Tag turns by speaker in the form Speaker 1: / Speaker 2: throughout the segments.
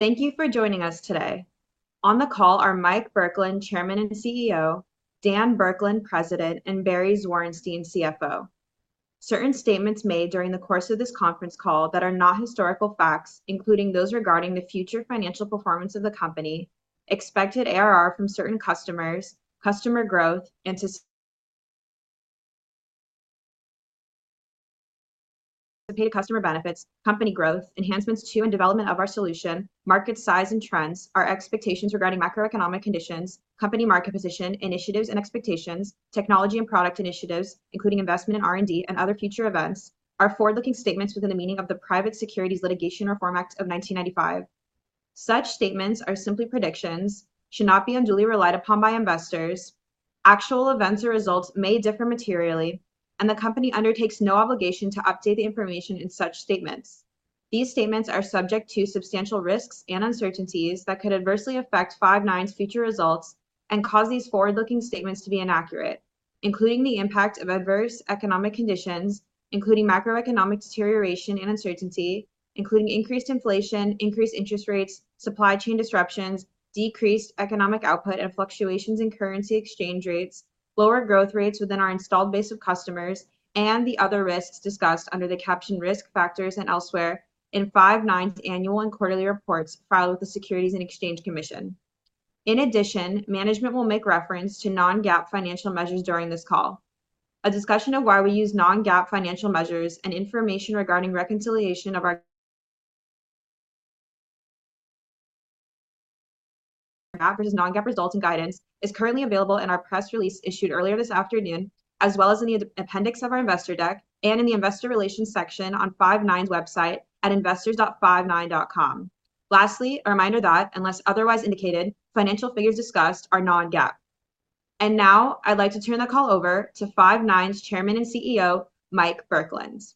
Speaker 1: Thank you for joining us today. On the call are Mike Burkland, Chairman and CEO, Dan Burkland, President, and Barry Zwarenstein, CFO. Certain statements made during the course of this conference call that are not historical facts, including those regarding the future financial performance of the company, expected ARR from certain customers, customer growth, and the paid customer benefits, company growth, enhancements to and development of our solution, market size and trends, our expectations regarding macroeconomic conditions, company market position, initiatives and expectations, technology and product initiatives, including investment in R&D and other future events, are forward-looking statements within the meaning of the Private Securities Litigation Reform Act of 1995. Such statements are simply predictions, should not be unduly relied upon by investors. Actual events or results may differ materially, and the company undertakes no obligation to update the information in such statements. These statements are subject to substantial risks and uncertainties that could adversely affect Five9's future results and cause these forward-looking statements to be inaccurate, including the impact of adverse economic conditions, including macroeconomic deterioration and uncertainty, including increased inflation, increased interest rates, supply chain disruptions, decreased economic output, and fluctuations in currency exchange rates, lower growth rates within our installed base of customers, and the other risks discussed under the caption Risk Factors and elsewhere in Five9's annual and quarterly reports filed with the Securities and Exchange Commission. In addition, management will make reference to non-GAAP financial measures during this call. A discussion of why we use non-GAAP financial measures and information regarding reconciliation of our GAAP versus non-GAAP results and guidance is currently available in our press release issued earlier this afternoon, as well as in the appendix of our investor deck and in the investor relations section on Five9's website at investors.five9.com. Lastly, a reminder that, unless otherwise indicated, financial figures discussed are non-GAAP. And now I'd like to turn the call over to Five9's Chairman and CEO, Mike Burkland.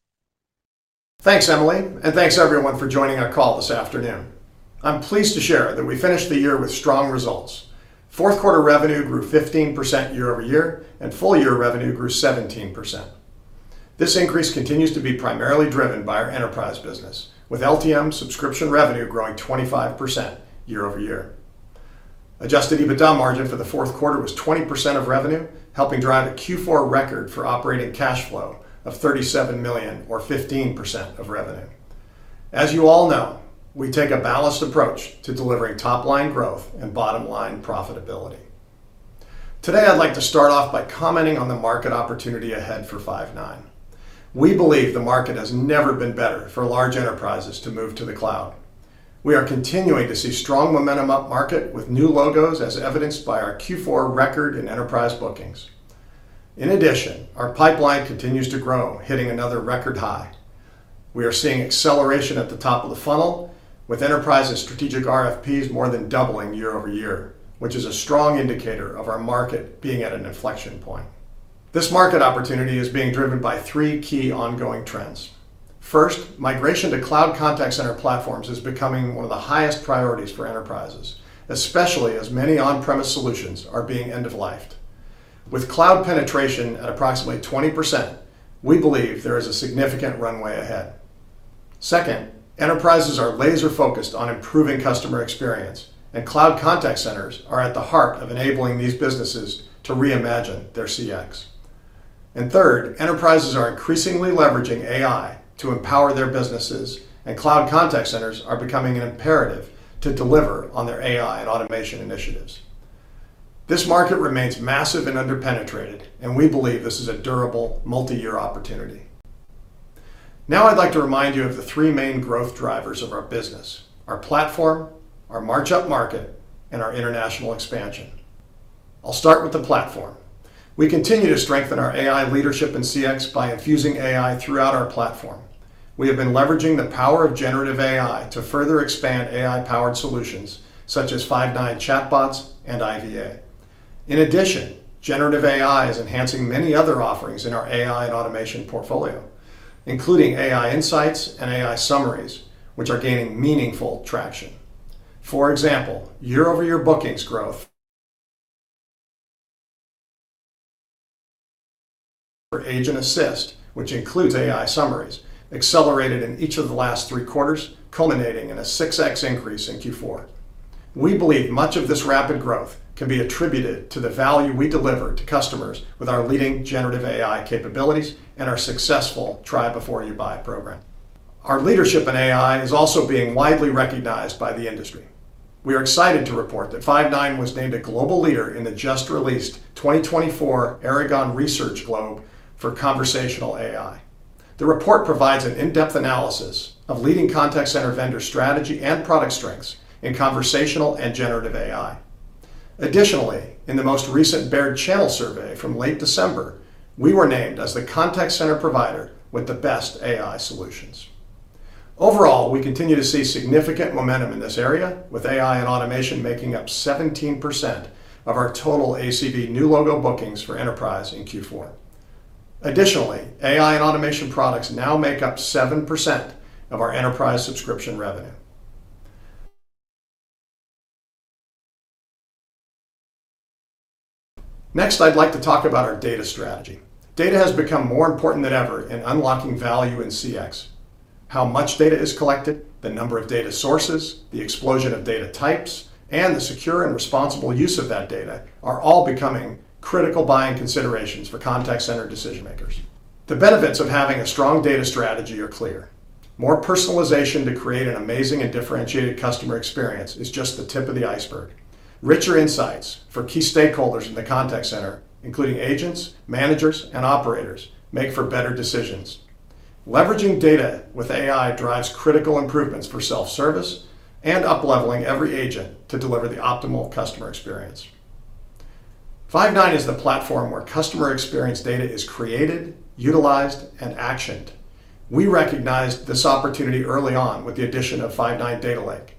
Speaker 2: Thanks, Emily, and thanks everyone for joining our call this afternoon. I'm pleased to share that we finished the year with strong results. Fourth quarter revenue grew 15% year over year, and full year revenue grew 17%. This increase continues to be primarily driven by our enterprise business, with LTM subscription revenue growing 25% year over year. Adjusted EBITDA margin for the fourth quarter was 20% of revenue, helping drive a Q4 record for operating cash flow of $37 million or 15% of revenue. As you all know, we take a balanced approach to delivering top-line growth and bottom-line profitability. Today, I'd like to start off by commenting on the market opportunity ahead for Five9. We believe the market has never been better for large enterprises to move to the cloud. We are continuing to see strong momentum upmarket with new logos, as evidenced by our Q4 record in enterprise bookings. In addition, our pipeline continues to grow, hitting another record high. We are seeing acceleration at the top of the funnel with enterprise and strategic RFPs more than doubling year-over-year, which is a strong indicator of our market being at an inflection point. This market opportunity is being driven by three key ongoing trends. First, migration to cloud contact center platforms is becoming one of the highest priorities for enterprises, especially as many on-premise solutions are being end of lifed. With cloud penetration at approximately 20%, we believe there is a significant runway ahead. Second, enterprises are laser-focused on improving customer experience, and cloud contact centers are at the heart of enabling these businesses to reimagine their CX. And third, enterprises are increasingly leveraging AI to empower their businesses, and cloud contact centers are becoming an imperative to deliver on their AI and automation initiatives. This market remains massive and underpenetrated, and we believe this is a durable multi-year opportunity. Now, I'd like to remind you of the three main growth drivers of our business: our platform, our march up market, and our international expansion. I'll start with the platform. We continue to strengthen our AI leadership in CX by infusing AI throughout our platform. We have been leveraging the power of generative AI to further expand AI-powered solutions, such as Five9 chatbots and IVA. In addition, generative AI is enhancing many other offerings in our AI and automation portfolio, including AI Insights and AI Summaries, which are gaining meaningful traction. For example, year-over-year bookings growth for Agent Assist, which includes AI summaries, accelerated in each of the last three quarters, culminating in a 6x increase in Q4. We believe much of this rapid growth can be attributed to the value we deliver to customers with our leading generative AI capabilities and our successful Try Before You Buy program. Our leadership in AI is also being widely recognized by the industry. We are excited to report that Five9 was named a global leader in the just-released 2024 Aragon Research Globe for Conversational AI. The report provides an in-depth analysis of leading contact center vendor strategy and product strengths in conversational and generative AI. Additionally, in the most recent Baird Channel Survey from late December, we were named as the contact center provider with the best AI solutions. Overall, we continue to see significant momentum in this area, with AI and automation making up 17% of our total ACV new logo bookings for enterprise in Q4. Additionally, AI and automation products now make up 7% of our enterprise subscription revenue. Next, I'd like to talk about our data strategy. Data has become more important than ever in unlocking value in CX. How much data is collected, the number of data sources, the explosion of data types, and the secure and responsible use of that data are all becoming critical buying considerations for contact center decision makers. The benefits of having a strong data strategy are clear. More personalization to create an amazing and differentiated customer experience is just the tip of the iceberg. Richer insights for key stakeholders in the contact center, including agents, managers, and operators, make for better decisions. Leveraging data with AI drives critical improvements for self-service and upleveling every agent to deliver the optimal customer experience. Five9 is the platform where customer experience data is created, utilized, and actioned. We recognized this opportunity early on with the addition of Five9 Data Lake.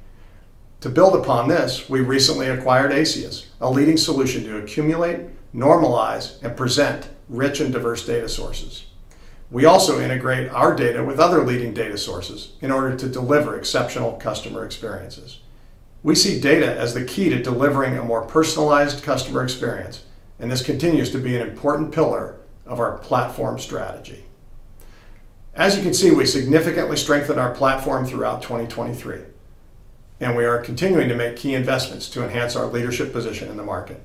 Speaker 2: To build upon this, we recently acquired Aceyus, a leading solution to accumulate, normalize, and present rich and diverse data sources. We also integrate our data with other leading data sources in order to deliver exceptional customer experiences. We see data as the key to delivering a more personalized customer experience, and this continues to be an important pillar of our platform strategy. As you can see, we significantly strengthened our platform throughout 2023, and we are continuing to make key investments to enhance our leadership position in the market.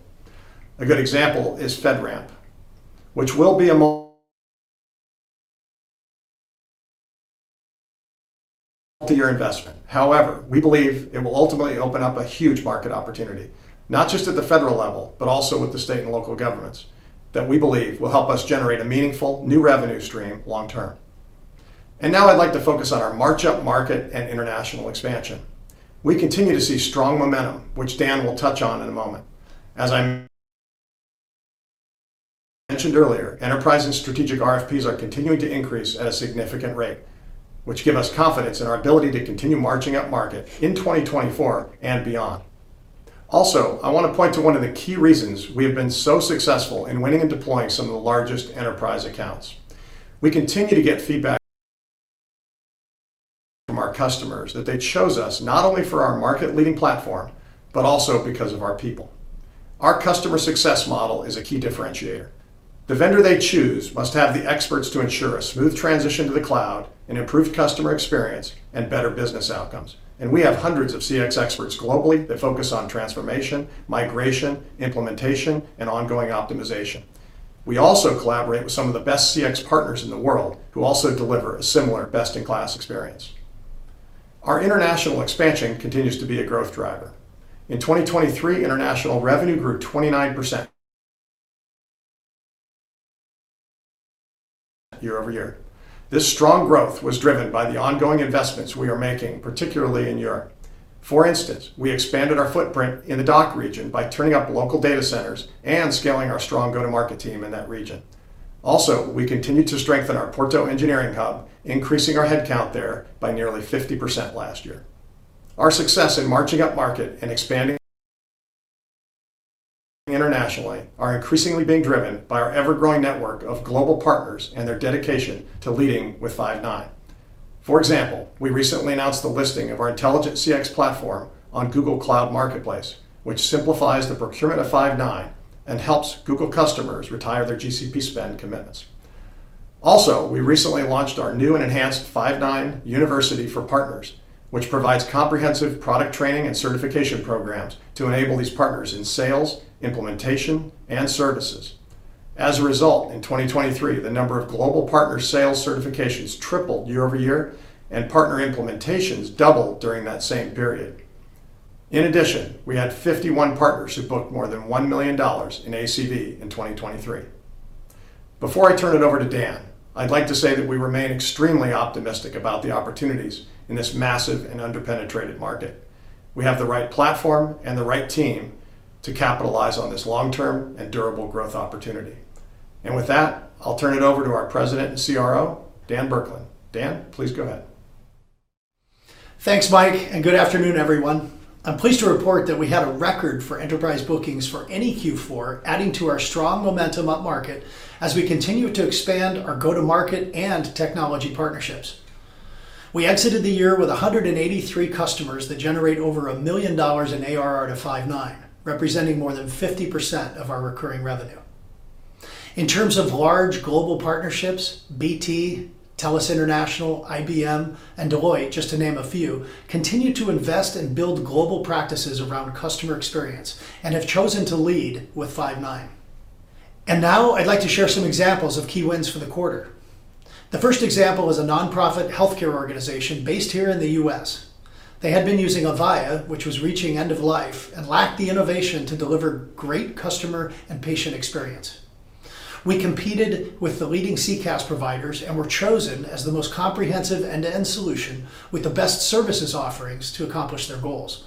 Speaker 2: A good example is FedRAMP, which will be a multi-year investment. However, we believe it will ultimately open up a huge market opportunity, not just at the federal level, but also with the state and local governments, that we believe will help us generate a meaningful new revenue stream long term. And now I'd like to focus on our march up market and international expansion. We continue to see strong momentum, which Dan will touch on in a moment. As I mentioned earlier, enterprise and strategic RFPs are continuing to increase at a significant rate, which give us confidence in our ability to continue marching up market in 2024 and beyond. Also, I want to point to one of the key reasons we have been so successful in winning and deploying some of the largest enterprise accounts. We continue to get feedback from our customers that they chose us not only for our market-leading platform, but also because of our people. Our customer success model is a key differentiator. The vendor they choose must have the experts to ensure a smooth transition to the cloud, an improved customer experience, and better business outcomes. We have hundreds of CX experts globally that focus on transformation, migration, implementation, and ongoing optimization. We also collaborate with some of the best CX partners in the world, who also deliver a similar best-in-class experience. Our international expansion continues to be a growth driver. In 2023, international revenue grew 29% year-over-year. This strong growth was driven by the ongoing investments we are making, particularly in Europe. For instance, we expanded our footprint in the DACH region by turning up local data centers and scaling our strong go-to-market team in that region. Also, we continued to strengthen our Porto engineering hub, increasing our headcount there by nearly 50% last year. Our success in marching up market and expanding internationally are increasingly being driven by our ever-growing network of global partners and their dedication to leading with Five9. For example, we recently announced the listing of our intelligent CX platform on Google Cloud Marketplace, which simplifies the procurement of Five9 and helps Google customers retire their GCP spend commitments. Also, we recently launched our new and enhanced Five9 University for Partners, which provides comprehensive product training and certification programs to enable these partners in sales, implementation, and services. As a result, in 2023, the number of global partner sales certifications tripled year over year, and partner implementations doubled during that same period. In addition, we had 51 partners who booked more than $1 million in ACV in 2023. Before I turn it over to Dan, I'd like to say that we remain extremely optimistic about the opportunities in this massive and underpenetrated market. We have the right platform and the right team to capitalize on this long-term and durable growth opportunity. And with that, I'll turn it over to our President and CRO, Dan Burkland. Dan, please go ahead.
Speaker 3: Thanks, Mike, and good afternoon, everyone. I'm pleased to report that we had a record for enterprise bookings for any Q4, adding to our strong momentum up market as we continue to expand our go-to-market and technology partnerships. We exited the year with 183 customers that generate over $1 million in ARR to Five9, representing more than 50% of our recurring revenue. In terms of large global partnerships, BT, TELUS International, IBM, and Deloitte, just to name a few, continue to invest and build global practices around customer experience and have chosen to lead with Five9. And now I'd like to share some examples of key wins for the quarter. The first example is a nonprofit healthcare organization based here in the U.S. They had been using Avaya, which was reaching end of life and lacked the innovation to deliver great customer and patient experience. We competed with the leading CCaaS providers and were chosen as the most comprehensive end-to-end solution with the best services offerings to accomplish their goals.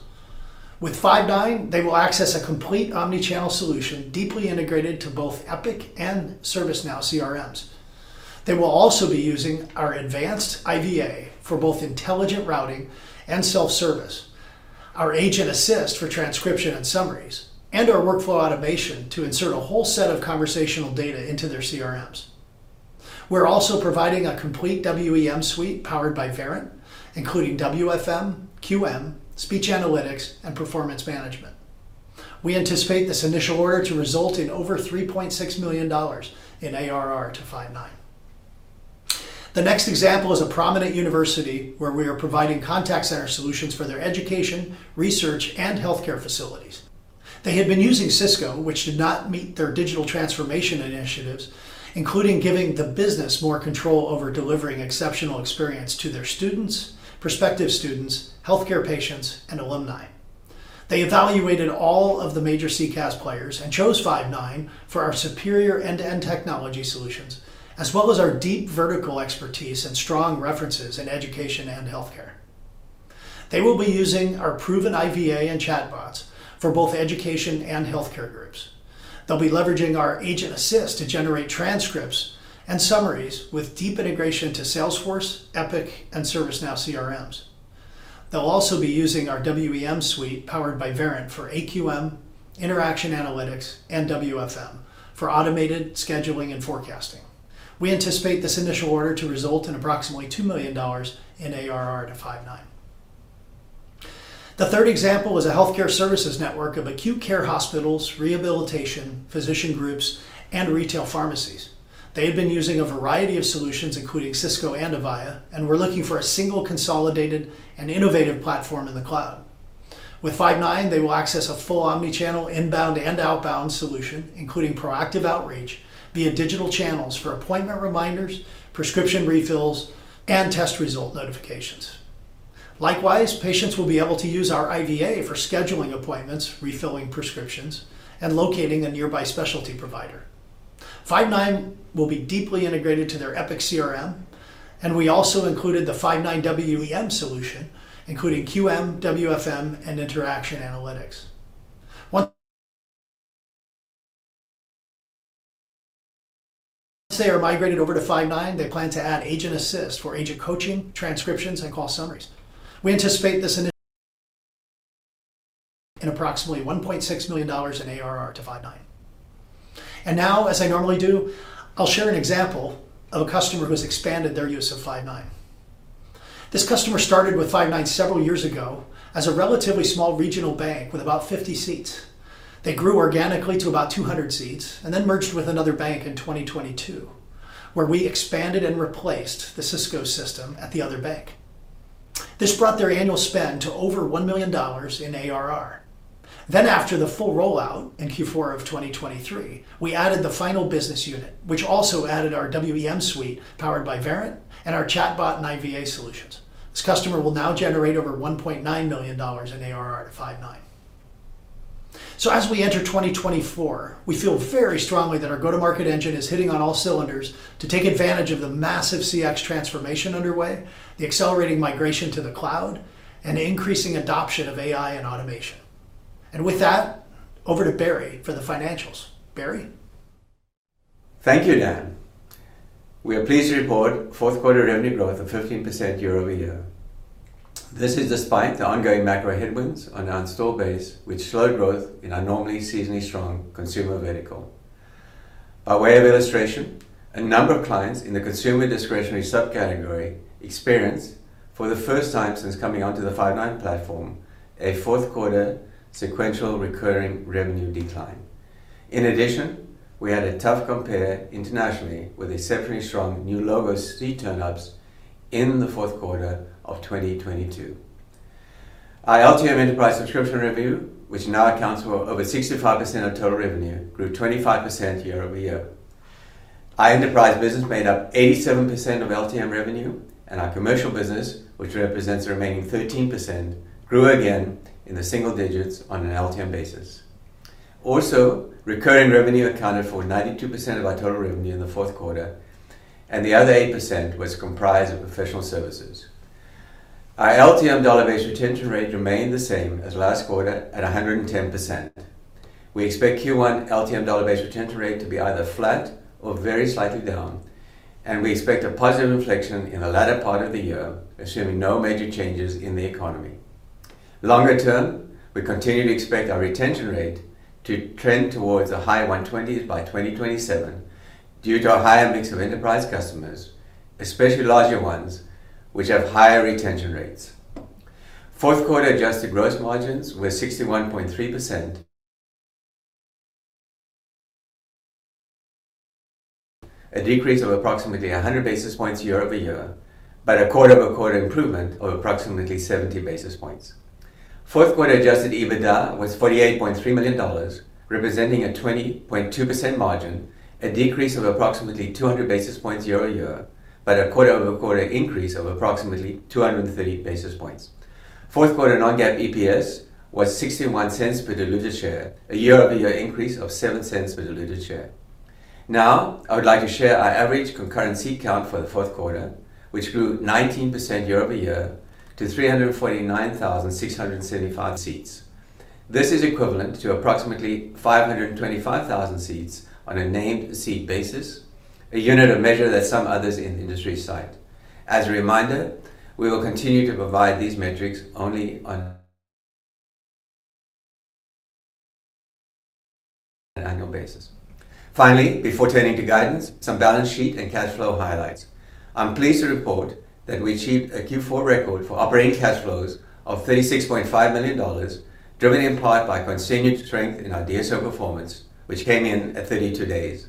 Speaker 3: With Five9, they will access a complete omni-channel solution, deeply integrated to both Epic and ServiceNow CRMs. They will also be using our advanced IVA for both intelligent routing and self-service, our Agent Assist for transcription and summaries, and our workflow automation to insert a whole set of conversational data into their CRMs... We're also providing a complete WEM suite powered by Verint, including WFM, QM, speech analytics, and performance management. We anticipate this initial order to result in over $3.6 million in ARR to Five9. The next example is a prominent university where we are providing contact center solutions for their education, research, and healthcare facilities. They had been using Cisco, which did not meet their digital transformation initiatives, including giving the business more control over delivering exceptional experience to their students, prospective students, healthcare patients, and alumni. They evaluated all of the major CCaaS players and chose Five9 for our superior end-to-end technology solutions, as well as our deep vertical expertise and strong references in education and healthcare. They will be using our proven IVA and chatbots for both education and healthcare groups. They'll be leveraging our Agent Assist to generate transcripts and summaries with deep integration to Salesforce, Epic, and ServiceNow CRMs. They'll also be using our WEM suite, powered by Verint, for AQM, interaction analytics, and WFM for automated scheduling and forecasting. We anticipate this initial order to result in approximately $2 million in ARR to Five9. The third example is a healthcare services network of acute care hospitals, rehabilitation, physician groups, and retail pharmacies. They've been using a variety of solutions, including Cisco and Avaya, and were looking for a single, consolidated, and innovative platform in the cloud. With Five9, they will access a full omni-channel, inbound and outbound solution, including proactive outreach via digital channels for appointment reminders, prescription refills, and test result notifications. Likewise, patients will be able to use our IVA for scheduling appointments, refilling prescriptions, and locating a nearby specialty provider. Five9 will be deeply integrated into their Epic CRM, and we also included the Five9 WEM solution, including QM, WFM, and interaction analytics. Once they are migrated over to Five9, they plan to add Agent Assist for agent coaching, transcriptions, and call summaries. We anticipate this in approximately $1.6 million in ARR to Five9. Now, as I normally do, I'll share an example of a customer who's expanded their use of Five9. This customer started with Five9 several years ago as a relatively small regional bank with about 50 seats. They grew organically to about 200 seats and then merged with another bank in 2022, where we expanded and replaced the Cisco system at the other bank. This brought their annual spend to over $1 million in ARR. Then, after the full rollout in Q4 of 2023, we added the final business unit, which also added our WEM suite, powered by Verint, and our chatbot and IVA solutions. This customer will now generate over $1.9 million in ARR to Five9. So as we enter 2024, we feel very strongly that our go-to-market engine is hitting on all cylinders to take advantage of the massive CX transformation underway, the accelerating migration to the cloud, and the increasing adoption of AI and automation. And with that, over to Barry for the financials. Barry?
Speaker 4: Thank you, Dan. We are pleased to report fourth quarter revenue growth of 15% year over year. This is despite the ongoing macro headwinds on our install base, which slowed growth in our normally seasonally strong consumer vertical. By way of illustration, a number of clients in the consumer discretionary subcategory experienced, for the first time since coming onto the Five9 platform, a fourth quarter sequential recurring revenue decline. In addition, we had a tough compare internationally with exceptionally strong new logo seat turn-ups in the fourth quarter of 2022. Our LTM enterprise subscription revenue, which now accounts for over 65% of total revenue, grew 25% year over year. Our enterprise business made up 87% of LTM revenue, and our commercial business, which represents the remaining 13%, grew again in the single digits on an LTM basis. Also, recurring revenue accounted for 92% of our total revenue in the fourth quarter, and the other 8% was comprised of professional services. Our LTM dollar-based retention rate remained the same as last quarter at 110%. We expect Q1 LTM dollar-based retention rate to be either flat or very slightly down, and we expect a positive inflection in the latter part of the year, assuming no major changes in the economy. Longer term, we continue to expect our retention rate to trend towards the high 120s by 2027 due to our higher mix of enterprise customers, especially larger ones, which have higher retention rates. Fourth quarter adjusted gross margins were 61.3%, a decrease of approximately 100 basis points year-over-year, but a quarter-over-quarter improvement of approximately 70 basis points. Fourth quarter adjusted EBITDA was $48.3 million, representing a 20.2% margin, a decrease of approximately 200 basis points year-over-year, but a quarter-over-quarter increase of approximately 230 basis points. Fourth quarter non-GAAP EPS was 61 cents per diluted share, a year-over-year increase of 7 cents per diluted share. Now, I would like to share our average concurrent seat count for the fourth quarter, which grew 19% year-over-year to 349,675 seats. This is equivalent to approximately 525,000 seats on a named seat basis, a unit of measure that some others in the industry cite. As a reminder, we will continue to provide these metrics only on an annual basis. Finally, before turning to guidance, some balance sheet and cash flow highlights. I'm pleased to report that we achieved a Q4 record for operating cash flows of $36.5 million, driven in part by continued strength in our DSO performance, which came in at 32 days.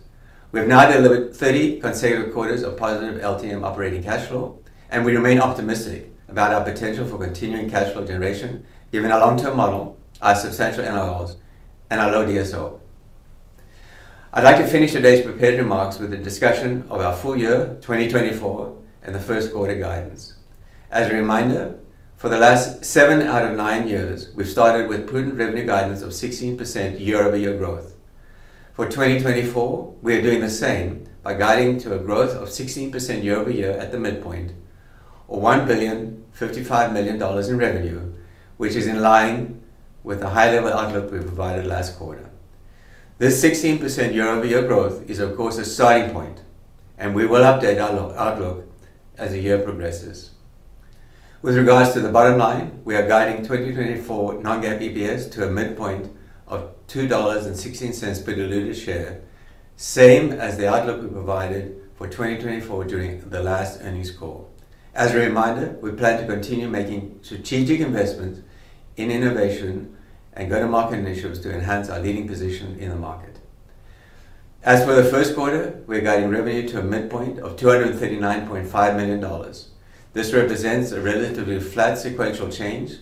Speaker 4: We've now delivered 30 consecutive quarters of positive LTM operating cash flow, and we remain optimistic about our potential for continuing cash flow generation, given our long-term model, our substantial NLRs, and our low DSO. I'd like to finish today's prepared remarks with a discussion of our full year, 2024, and the first quarter guidance. As a reminder, for the last 7 out of 9 years, we've started with prudent revenue guidance of 16% year-over-year growth. For 2024, we are doing the same by guiding to a growth of 16% year-over-year at the midpoint, or $1.055 billion in revenue, which is in line with the high-level outlook we provided last quarter. This 16% year-over-year growth is, of course, a starting point, and we will update our outlook as the year progresses. With regards to the bottom line, we are guiding 2024 non-GAAP EPS to a midpoint of $2.16 per diluted share, same as the outlook we provided for 2024 during the last earnings call. As a reminder, we plan to continue making strategic investments in innovation and go-to-market initiatives to enhance our leading position in the market. As for the first quarter, we are guiding revenue to a midpoint of $239.5 million. This represents a relatively flat sequential change,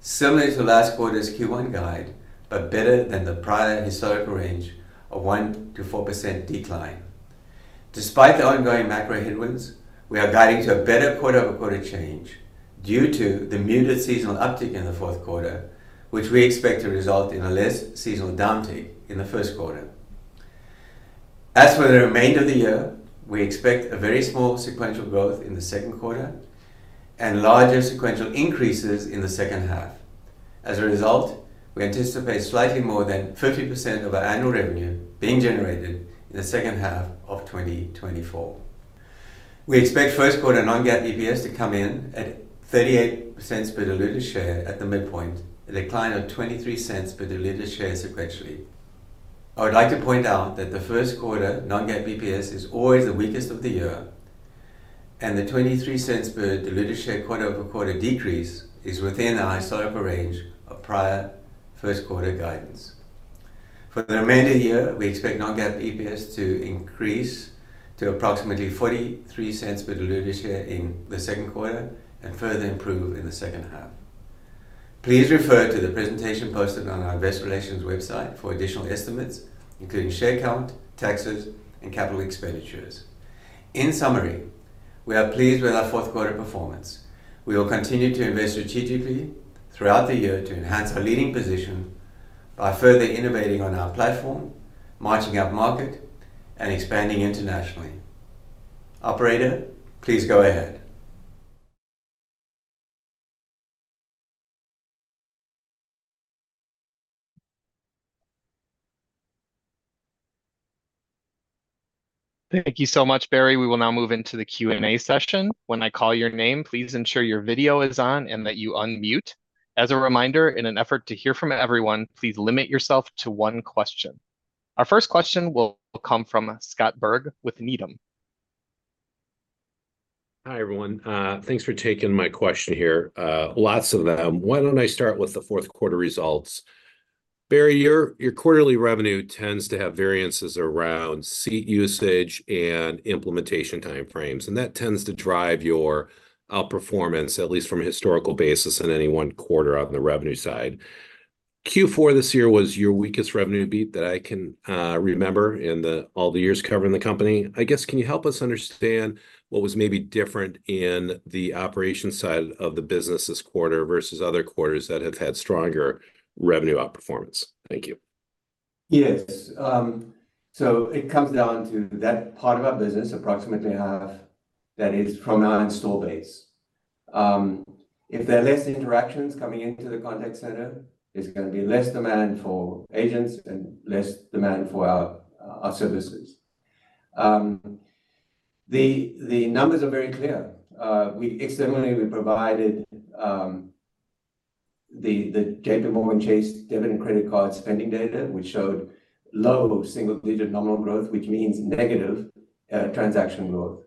Speaker 4: similar to last quarter's Q1 guide, but better than the prior historical range of 1%-4% decline. Despite the ongoing macro headwinds, we are guiding to a better quarter-over-quarter change due to the muted seasonal uptick in the fourth quarter, which we expect to result in a less seasonal downtick in the first quarter. As for the remainder of the year, we expect a very small sequential growth in the second quarter and larger sequential increases in the second half. As a result, we anticipate slightly more than 50% of our annual revenue being generated in the second half of 2024. We expect first quarter non-GAAP EPS to come in at $0.38 per diluted share at the midpoint, a decline of $0.23 per diluted share sequentially. I would like to point out that the first quarter non-GAAP EPS is always the weakest of the year, and the $0.23 per diluted share quarter-over-quarter decrease is within our historical range of prior first quarter guidance. For the remainder year, we expect non-GAAP EPS to increase to approximately $0.43 per diluted share in the second quarter and further improve in the second half. Please refer to the presentation posted on our investor relations website for additional estimates, including share count, taxes, and capital expenditures. In summary, we are pleased with our fourth quarter performance. We will continue to invest strategically throughout the year to enhance our leading position by further innovating on our platform, marching upmarket and expanding internationally. Operator, please go ahead.
Speaker 1: Thank you so much, Barry. We will now move into the Q&A session. When I call your name, please ensure your video is on and that you unmute. As a reminder, in an effort to hear from everyone, please limit yourself to one question. Our first question will come from Scott Berg with Needham.
Speaker 5: Hi, everyone. Thanks for taking my question here. Lots of them. Why don't I start with the fourth quarter results? Barry, your quarterly revenue tends to have variances around seat usage and implementation time frames, and that tends to drive your outperformance, at least from a historical basis, in any one quarter on the revenue side. Q4 this year was your weakest revenue beat that I can remember in all the years covering the company. I guess, can you help us understand what was maybe different in the operation side of the business this quarter versus other quarters that have had stronger revenue outperformance? Thank you.
Speaker 4: Yes. So it comes down to that part of our business, approximately half, that is from our installed base. If there are less interactions coming into the contact center, there's gonna be less demand for agents and less demand for our services. The numbers are very clear. We externally provided the JPMorgan Chase debit and credit card spending data, which showed low single-digit nominal growth, which means negative transaction growth.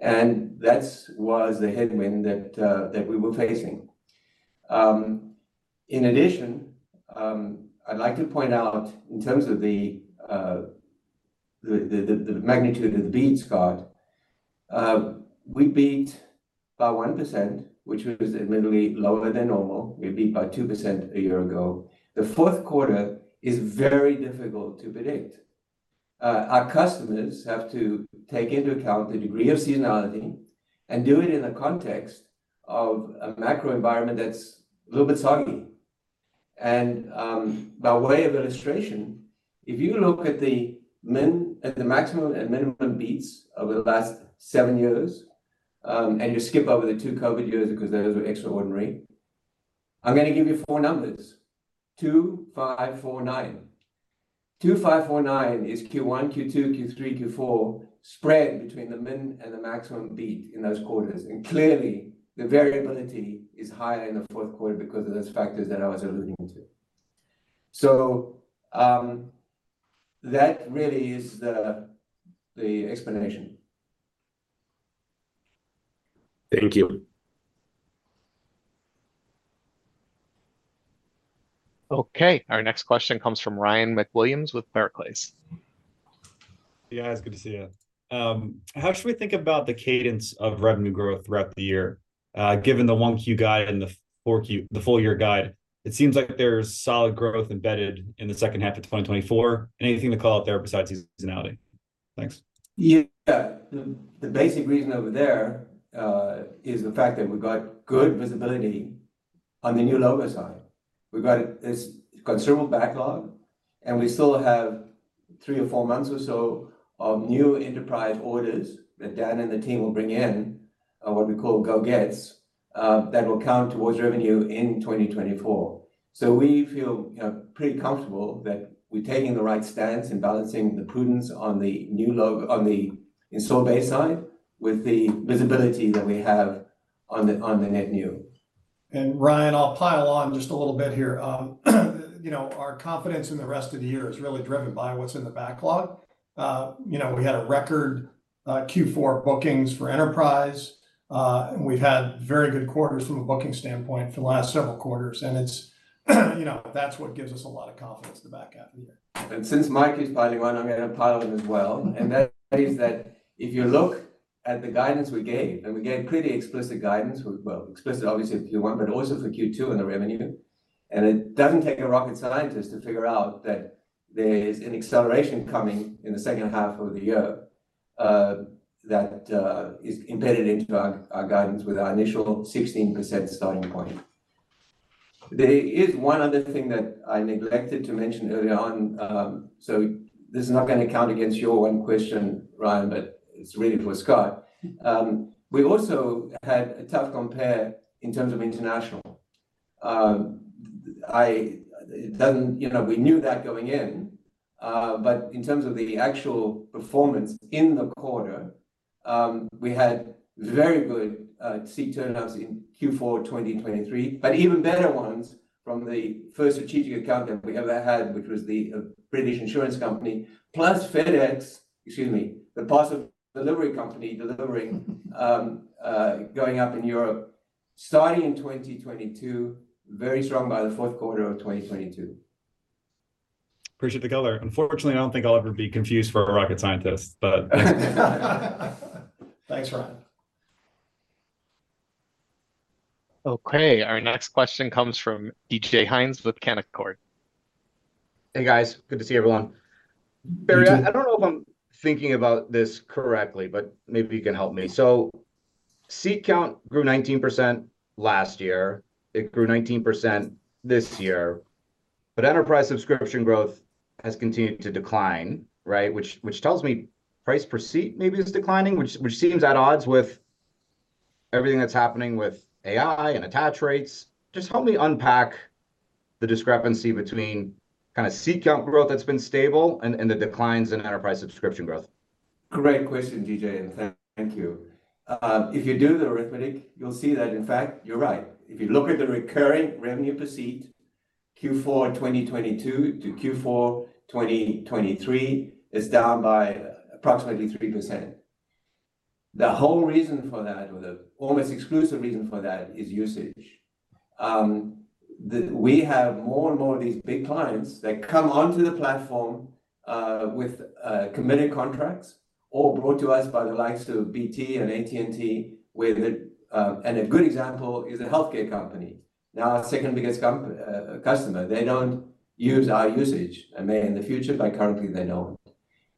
Speaker 4: And that was the headwind that we were facing. In addition, I'd like to point out, in terms of the magnitude of the beat, Scott, we beat by 1%, which was admittedly lower than normal. We beat by 2% a year ago. The fourth quarter is very difficult to predict. Our customers have to take into account the degree of seasonality and do it in the context of a macro environment that's a little bit soggy. And, by way of illustration, if you look at the maximum and minimum beats over the last seven years, and you skip over the two COVID years because those were extraordinary, I'm gonna give you four numbers: 2, 5, 4, 9. 2, 5, 4, 9 is Q1, Q2, Q3, Q4, spread between the min and the maximum beat in those quarters. And clearly, the variability is higher in the fourth quarter because of those factors that I was alluding to. So, that really is the, the explanation....
Speaker 5: Thank you.
Speaker 1: Okay, our next question comes from Ryan McWilliams with Barclays.
Speaker 6: Yeah, it's good to see you. How should we think about the cadence of revenue growth throughout the year? Given the 1Q guide and the 4Q, the full year guide, it seems like there's solid growth embedded in the second half of 2024. Anything to call out there besides seasonality? Thanks.
Speaker 4: Yeah. The basic reason over there is the fact that we've got good visibility on the new logo side. We've got this considerable backlog, and we still have three or four months or so of new enterprise orders that Dan and the team will bring in, on what we call go-gets, that will count towards revenue in 2024. So we feel, you know, pretty comfortable that we're taking the right stance in balancing the prudence on the new logo on the installed base side, with the visibility that we have on the, on the net new.
Speaker 3: Ryan, I'll pile on just a little bit here, you know, our confidence in the rest of the year is really driven by what's in the backlog. You know, we had a record Q4 bookings for enterprise, and we've had very good quarters from a booking standpoint for the last several quarters. And it's, you know, that's what gives us a lot of confidence in the back half of the year.
Speaker 4: Since Mike is piling on, I'm gonna pile on as well. That is that if you look at the guidance we gave, and we gave pretty explicit guidance, well, explicit obviously for Q1, but also for Q2 and the revenue. It doesn't take a rocket scientist to figure out that there's an acceleration coming in the second half of the year, that is embedded into our guidance with our initial 16% starting point. There is one other thing that I neglected to mention earlier on. So this is not gonna count against your one question, Ryan, but it's really for Scott. We also had a tough compare in terms of international. It doesn't, you know, we knew that going in, but in terms of the actual performance in the quarter, we had very good seat turnouts in Q4 of 2023, but even better ones from the first strategic account that we ever had, which was the British insurance company, plus FedEx, excuse me, the parcel delivery company delivering, going up in Europe starting in 2022, very strong by the fourth quarter of 2022.
Speaker 6: Appreciate the color. Unfortunately, I don't think I'll ever be confused for a rocket scientist, but...
Speaker 3: Thanks, Ryan.
Speaker 1: Okay, our next question comes from DJ Hynes with Canaccord.
Speaker 7: Hey, guys. Good to see everyone.
Speaker 4: DJ-
Speaker 7: Barry, I don't know if I'm thinking about this correctly, but maybe you can help me. So seat count grew 19% last year. It grew 19% this year, but enterprise subscription growth has continued to decline, right? Which, which tells me price per seat maybe is declining, which, which seems at odds with everything that's happening with AI and attach rates. Just help me unpack the discrepancy between kind of seat count growth that's been stable and, and the declines in enterprise subscription growth.
Speaker 4: Great question, DJ, and thank you. If you do the arithmetic, you'll see that, in fact, you're right. If you look at the recurring revenue per seat, Q4 of 2022 to Q4 2023, is down by approximately 3%. The whole reason for that, or the almost exclusive reason for that, is usage. We have more and more of these big clients that come onto the platform, with committed contracts or brought to us by the likes of BT and AT&T, where the... And a good example is a healthcare company. Now, our second biggest customer, they don't use our usage. And they may in the future, but currently they don't.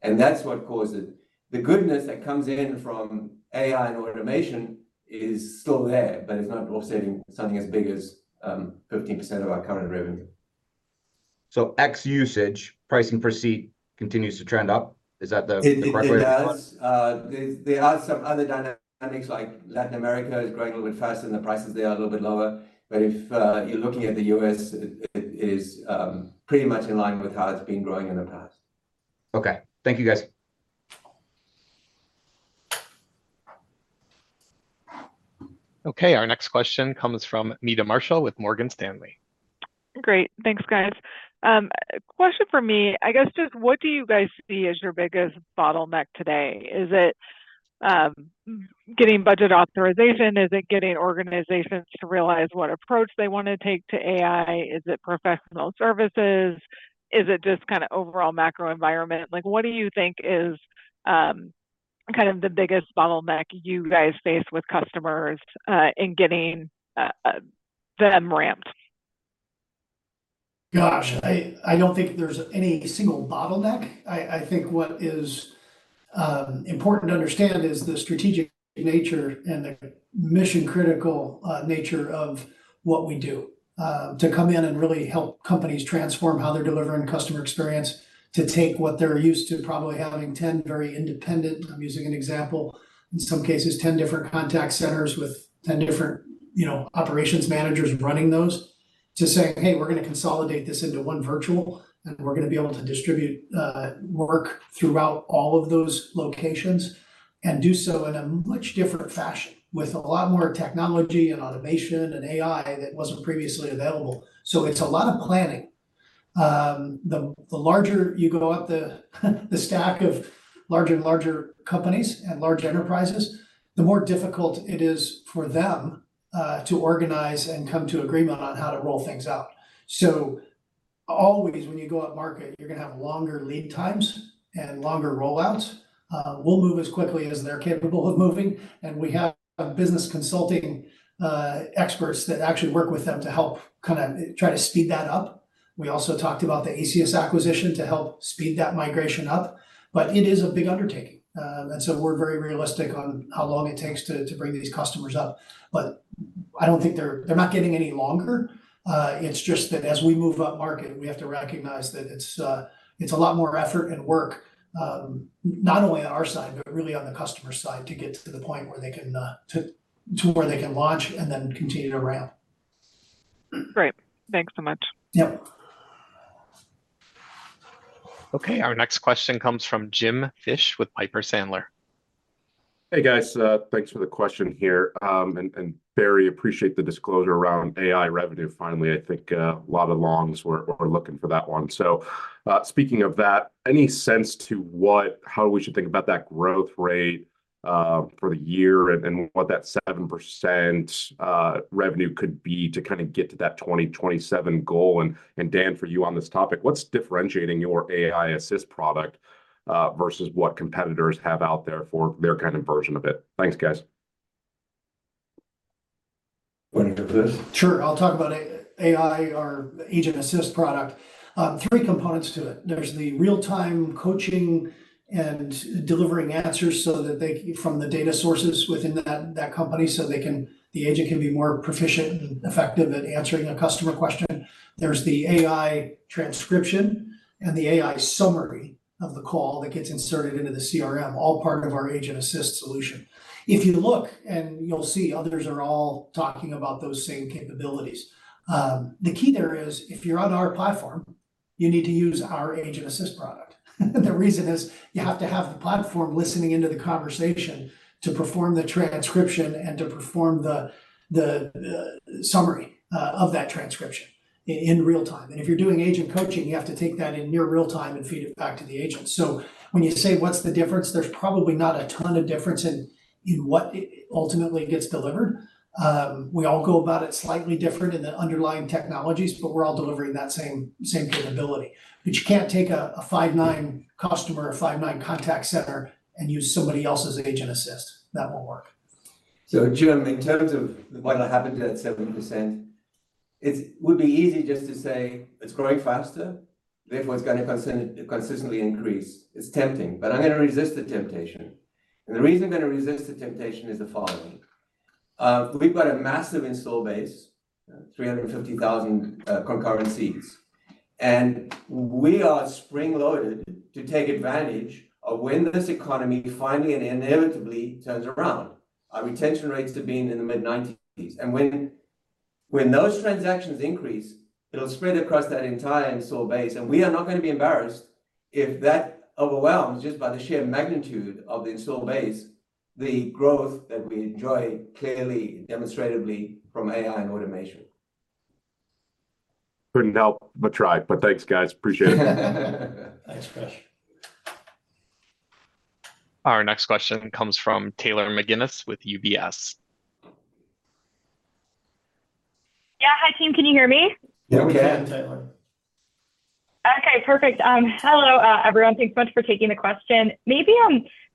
Speaker 4: And that's what caused it. The goodness that comes in from AI and automation is still there, but it's not offsetting something as big as 15% of our current revenue.
Speaker 7: So X usage, pricing per seat continues to trend up. Is that the appropriate-
Speaker 4: It does. There are some other dynamics, like Latin America is growing a little bit faster, and the prices there are a little bit lower. But if you're looking at the U.S., it is pretty much in line with how it's been growing in the past.
Speaker 7: Okay. Thank you, guys.
Speaker 1: Okay, our next question comes from Meta Marshall with Morgan Stanley.
Speaker 8: Great. Thanks, guys. A question for me, I guess, just what do you guys see as your biggest bottleneck today? Is it getting budget authorization? Is it getting organizations to realize what approach they want to take to AI? Is it professional services? Is it just kind of overall macro environment? Like, what do you think is kind of the biggest bottleneck you guys face with customers in getting them ramped?
Speaker 3: Gosh, I don't think there's any single bottleneck. I think what is important to understand is the strategic nature and the mission-critical nature of what we do. To come in and really help companies transform how they're delivering customer experience, to take what they're used to, probably having 10 very independent, I'm using an example, in some cases, 10 different contact centers with 10 different, you know, operations managers running those. To say, "Hey, we're gonna consolidate this into one virtual, and we're gonna be able to distribute work throughout all of those locations, and do so in a much different fashion, with a lot more technology and automation and AI that wasn't previously available." So it's a lot of planning.... The larger you go up the stack of larger and larger companies and large enterprises, the more difficult it is for them to organize and come to agreement on how to roll things out. So always, when you go upmarket, you're gonna have longer lead times and longer rollouts. We'll move as quickly as they're capable of moving, and we have business consulting experts that actually work with them to help kind of try to speed that up. We also talked about the Aceyus acquisition to help speed that migration up, but it is a big undertaking. And so we're very realistic on how long it takes to bring these customers up. But I don't think they're-- They're not getting any longer. It's just that as we move upmarket, we have to recognize that it's, it's a lot more effort and work, not only on our side, but really on the customer side, to get to the point where they can, to where they can launch and then continue to ramp.
Speaker 8: Great. Thanks so much.
Speaker 3: Yep.
Speaker 1: Okay, our next question comes from Jim Fish with Piper Sandler.
Speaker 9: Hey, guys. Thanks for the question here. And Barry, appreciate the disclosure around AI revenue finally. I think a lot of longs were looking for that one. So, speaking of that, any sense to how we should think about that growth rate for the year and what that 7% revenue could be to kinda get to that 2027 goal? And Dan, for you on this topic, what's differentiating your AI assist product versus what competitors have out there for their kind of version of it? Thanks, guys.
Speaker 4: Want to take this?
Speaker 3: Sure, I'll talk about AI, our Agent Assist product. Three components to it. There's the real-time coaching and delivering answers so that they, from the data sources within that, that company, so they can... the agent can be more proficient and effective at answering a customer question. There's the AI transcription and the AI summary of the call that gets inserted into the CRM, all part of our Agent Assist solution. If you look, and you'll see, others are all talking about those same capabilities. The key there is if you're on our platform, you need to use our Agent Assist product. The reason is you have to have the platform listening into the conversation to perform the transcription and to perform the summary of that transcription in real time. If you're doing agent coaching, you have to take that in near real time and feed it back to the agent. When you say: What's the difference? There's probably not a ton of difference in what ultimately gets delivered. We all go about it slightly different in the underlying technologies, but we're all delivering that same, same capability, which you can't take a Five9 customer or a Five9 contact center and use somebody else's Agent Assist. That won't work.
Speaker 4: So, Jim, in terms of what will happen to that 7%, it would be easy just to say it's growing faster, therefore, it's gonna consistently, consistently increase. It's tempting, but I'm gonna resist the temptation. And the reason I'm gonna resist the temptation is the following: We've got a massive install base, 350,000 concurrencies, and we are spring-loaded to take advantage of when this economy finally and inevitably turns around. Our retention rates have been in the mid-90s, and when those transactions increase, it'll spread across that entire install base, and we are not gonna be embarrassed if that overwhelms, just by the sheer magnitude of the install base, the growth that we enjoy, clearly, demonstratively from AI and automation.
Speaker 9: Couldn't help but try, but thanks, guys. Appreciate it.
Speaker 3: Thanks, Fish.
Speaker 1: Our next question comes from Taylor McGinnis with UBS.
Speaker 10: Yeah. Hi, team. Can you hear me?
Speaker 4: Yeah, we can.
Speaker 3: Yeah, we can, Taylor.
Speaker 10: Okay, perfect. Hello, everyone. Thanks so much for taking the question. Maybe,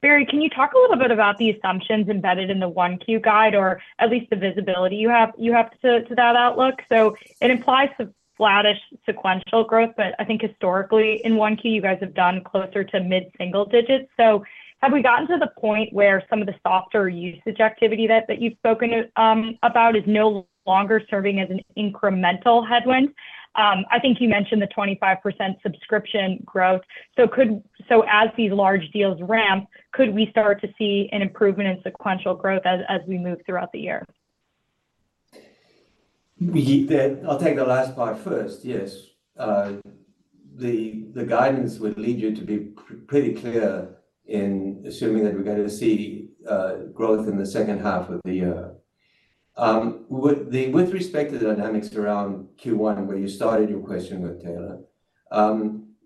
Speaker 10: Barry, can you talk a little bit about the assumptions embedded in the 1Q guide or at least the visibility you have to that outlook? So it implies some flattish sequential growth, but I think historically in 1Q, you guys have done closer to mid-single digits. So have we gotten to the point where some of the softer usage activity that you've spoken about is no longer serving as an incremental headwind? I think you mentioned the 25% subscription growth. So could. So as these large deals ramp, could we start to see an improvement in sequential growth as we move throughout the year?
Speaker 4: I'll take the last part first. Yes, the guidance would lead you to be pretty clear in assuming that we're going to see growth in the second half of the year. With respect to the dynamics around Q1, where you started your question with, Taylor,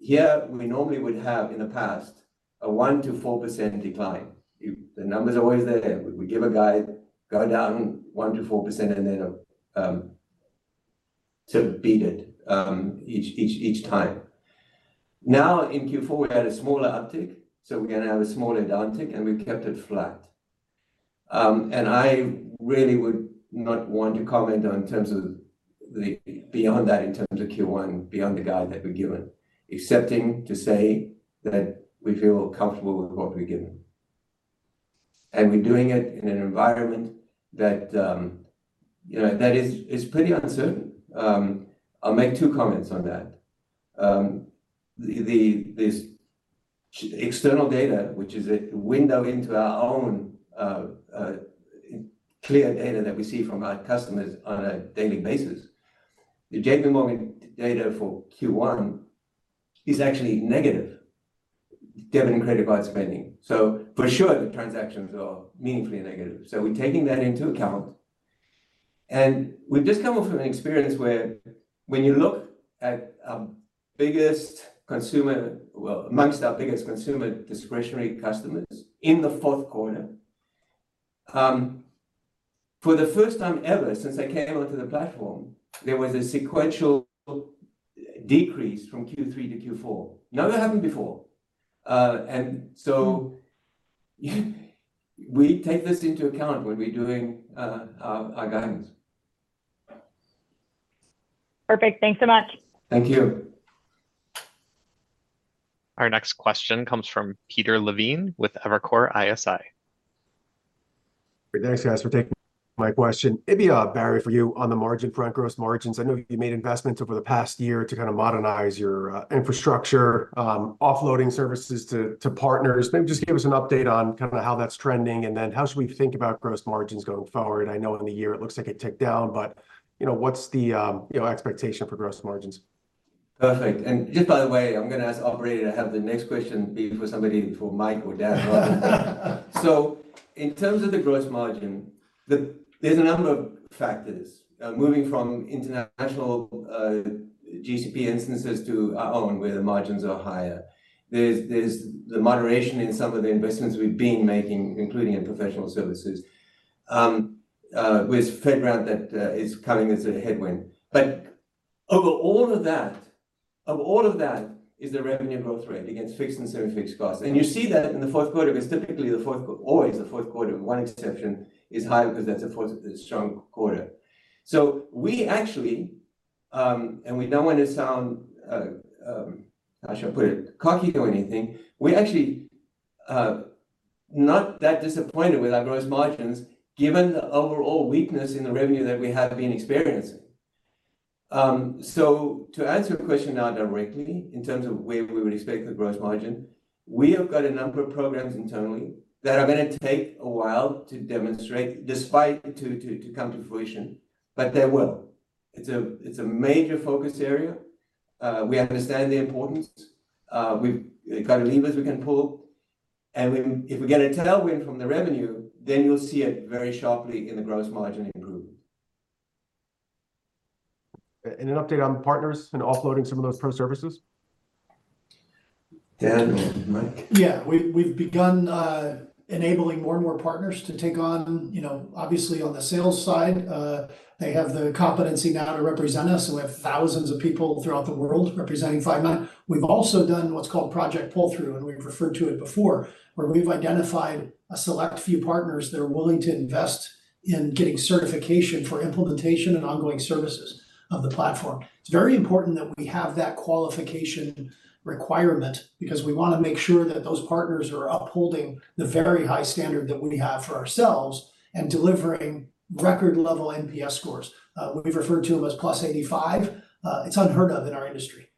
Speaker 4: here we normally would have in the past a 1%-4% decline. The numbers are always there. We give a guide, go down 1%-4%, and then to beat it each time. Now, in Q4, we had a smaller uptick, so we're gonna have a smaller downtick, and we've kept it flat. And I really would not want to comment on in terms of, beyond that, in terms of Q1, beyond the guide that we've given, excepting to say that we feel comfortable with what we've given. We're doing it in an environment that, you know, that is pretty uncertain. I'll make two comments on that. This external data, which is a window into our own cloud data that we see from our customers on a daily basis. The JPMorgan data for Q1 is actually negative: debit and credit card spending. So for sure, the transactions are meaningfully negative. So we're taking that into account, and we've just come off from an experience where when you look at biggest consumer... Well, amongst our biggest consumer discretionary customers in the fourth quarter, for the first time ever since I came onto the platform, there was a sequential decrease from Q3 to Q4. Never happened before. And so, we take this into account when we're doing our guidance.
Speaker 10: Perfect. Thanks so much.
Speaker 4: Thank you.
Speaker 1: Our next question comes from Peter Levine with Evercore ISI.
Speaker 11: Great. Thanks, guys, for taking my question. Maybe, Barry, for you on the margin front gross margins. I know you made investments over the past year to kind of modernize your infrastructure, offloading services to partners. Maybe just give us an update on kind of how that's trending, and then how should we think about gross margins going forward? I know in the year it looks like it ticked down, but, you know, what's the expectation for gross margins?
Speaker 4: Perfect. Just by the way, I'm gonna ask the operator to have the next question be for somebody, for Mike or Dan. So in terms of the gross margin, there's a number of factors. Moving from international GCP instances to our own, where the margins are higher. There's the moderation in some of the investments we've been making, including in professional services. With FedRAMP that is coming as a headwind. But over all of that, of all of that is the revenue growth rate against fixed and semi-fixed costs. And you see that in the fourth quarter, because typically the fourth, always the fourth quarter, one exception is high because that's a fourth, a strong quarter. So we actually, and we don't want to sound, how should I put it? Cocky or anything. We're actually not that disappointed with our gross margins, given the overall weakness in the revenue that we have been experiencing. So to answer your question now directly, in terms of where we would expect the gross margin, we have got a number of programs internally that are gonna take a while to demonstrate, despite to come to fruition, but they will. It's a major focus area. We understand the importance. We've got levers we can pull, and if we get a tailwind from the revenue, then you'll see it very sharply in the gross margin improvement.
Speaker 11: An update on partners and offloading some of those pro services?
Speaker 4: Dan or Mike?
Speaker 3: Yeah, we've begun enabling more and more partners to take on, you know, obviously on the sales side, they have the competency now to represent us. So we have thousands of people throughout the world representing Five9. We've also done what's called Project Pull Through, and we've referred to it before, where we've identified a select few partners that are willing to invest in getting certification for implementation and ongoing services of the platform. It's very important that we have that qualification requirement because we want to make sure that those partners are upholding the very high standard that we have for ourselves and delivering record-level NPS scores. We've referred to them as +85. It's unheard of in our industry.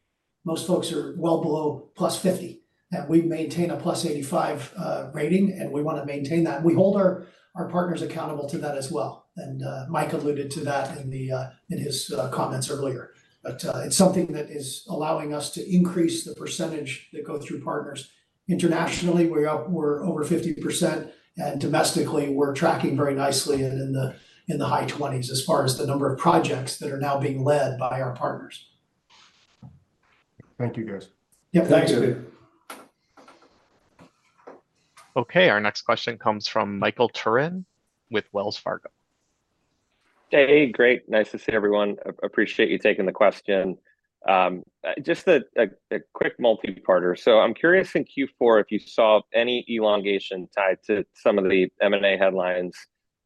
Speaker 3: Most folks are well below +50, and we maintain a +85 rating, and we want to maintain that. We hold our partners accountable to that as well, and Mike alluded to that in his comments earlier. But it's something that is allowing us to increase the percentage that go through partners. Internationally, we're up over 50%, and domestically, we're tracking very nicely in the high 20s as far as the number of projects that are now being led by our partners.
Speaker 11: Thank you, guys.
Speaker 3: Yep, thank you.
Speaker 4: Thanks.
Speaker 1: Okay, our next question comes from Michael Turrin with Wells Fargo.
Speaker 12: Hey, great. Nice to see everyone. Appreciate you taking the question. Just a quick multi-parter. So I'm curious in Q4, if you saw any elongation tied to some of the M&A headlines,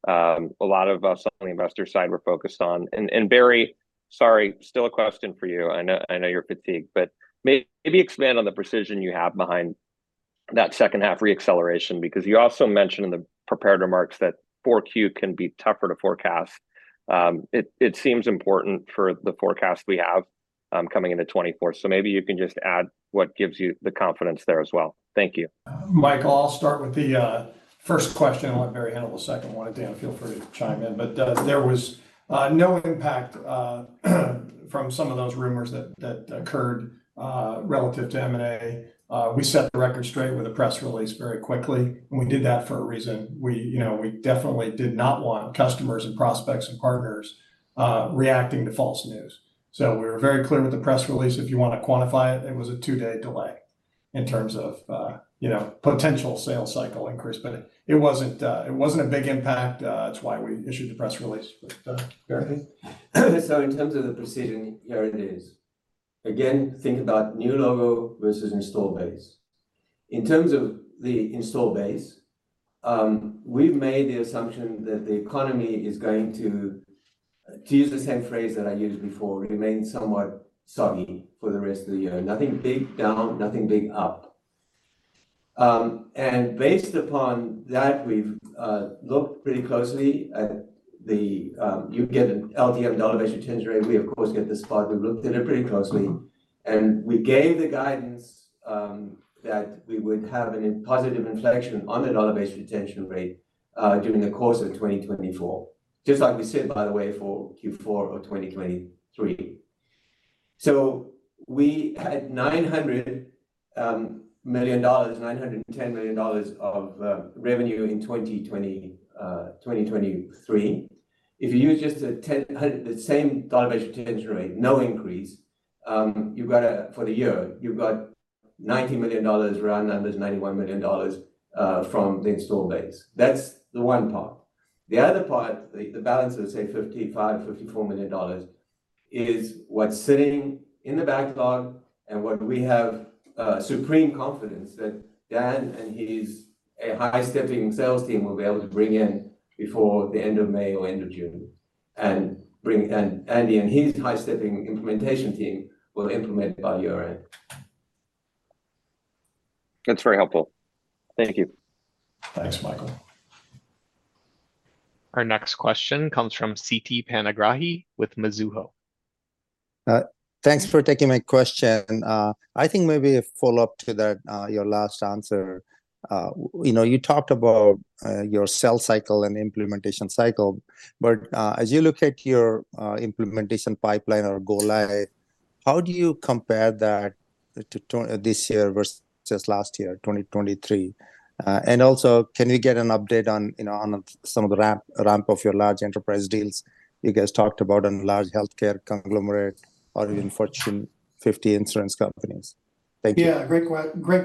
Speaker 12: a lot of us on the investor side were focused on. And Barry, sorry, still a question for you. I know, I know you're fatigued, but maybe expand on the precision you have behind that second half re-acceleration, because you also mentioned in the prepared remarks that 4Q can be tougher to forecast. It seems important for the forecast we have, coming into 2024. So maybe you can just add what gives you the confidence there as well. Thank you.
Speaker 3: Michael, I'll start with the first question. I'll let Barry handle the second one, and Dan, feel free to chime in. But there was no impact from some of those rumors that occurred relative to M&A. We set the record straight with a press release very quickly, and we did that for a reason. We, you know, we definitely did not want customers and prospects, and partners reacting to false news. So we were very clear with the press release. If you want to quantify it, it was a two-day delay in terms of, you know, potential sales cycle increase, but it wasn't a big impact. That's why we issued the press release. But Barry?
Speaker 4: So in terms of the precision, here it is. Again, think about new logo versus installed base. In terms of the installed base, we've made the assumption that the economy is going to, to use the same phrase that I used before, remain somewhat soggy for the rest of the year. Nothing big down, nothing big up. And based upon that, we've looked pretty closely at the, you get an LTM, dollar-based retention rate. We, of course, get the spot. We've looked at it pretty closely, and we gave the guidance that we would have a positive inflection on the dollar-based retention rate during the course of 2024. Just like we said, by the way, for Q4 of 2023. So we had $900 million, $910 million of revenue in 2023. If you use just the 10-- the same Dollar-Based Retention Rate, no increase, you've got a, for the year, you've got $90 million, round numbers, $91 million, from the install base. That's the one part. The other part, the balance of, say, $55, $54 million, is what's sitting in the backlog and what we have, supreme confidence that Dan and his, high-stepping sales team will be able to bring in before the end of May or end of June, and bring, and Andy and his high-stepping implementation team will implement by year-end.
Speaker 12: That's very helpful. Thank you.
Speaker 4: Thanks, Michael.
Speaker 1: Our next question comes from Siti Panigrahi with Mizuho.
Speaker 13: Thanks for taking my question. I think maybe a follow-up to that, your last answer. You know, you talked about your sales cycle and implementation cycle, but as you look at your implementation pipeline or go-live, how do you compare that to this year versus just last year, 2023? And also, can you get an update on, you know, on some of the ramp of your large enterprise deals you guys talked about on large healthcare conglomerate or in Fortune 50 insurance companies? Thank you.
Speaker 3: Yeah, great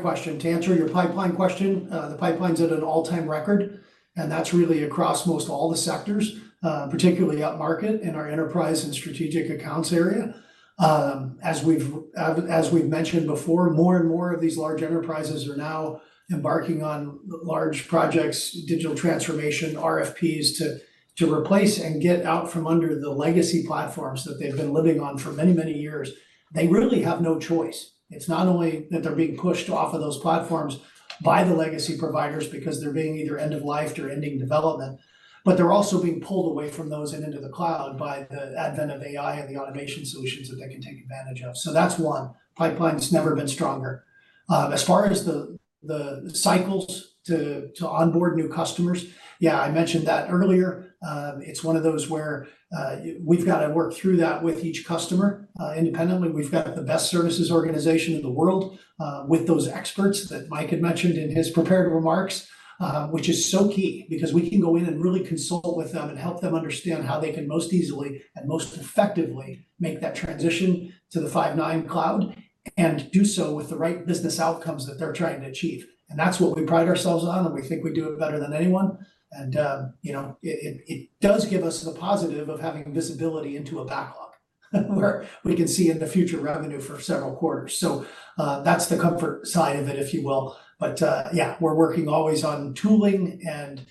Speaker 3: question. To answer your pipeline question, the pipeline's at an all-time record, and that's really across most all the sectors, particularly upmarket in our enterprise and strategic accounts area. As we've mentioned before, more and more of these large enterprises are now embarking on large projects, digital transformation, RFPs, to replace and get out from under the legacy platforms that they've been living on for many, many years. They really have no choice. It's not only that they're being pushed off of those platforms by the legacy providers because they're being either end-of-life or ending development, but they're also being pulled away from those and into the cloud by the advent of AI and the automation solutions that they can take advantage of. So that's one. Pipeline's never been stronger. As far as the cycles to onboard new customers, yeah, I mentioned that earlier. It's one of those where we've got to work through that with each customer independently. We've got the best services organization in the world, with those experts that Mike had mentioned in his prepared remarks, which is so key because we can go in and really consult with them and help them understand how they can most easily and most effectively make that transition to the Five9 cloud, and do so with the right business outcomes that they're trying to achieve. And that's what we pride ourselves on, and we think we do it better than anyone. And you know, it does give us the positive of having visibility into a backlog, where we can see in the future revenue for several quarters. So, that's the comfort side of it, if you will. But, yeah, we're working always on tooling and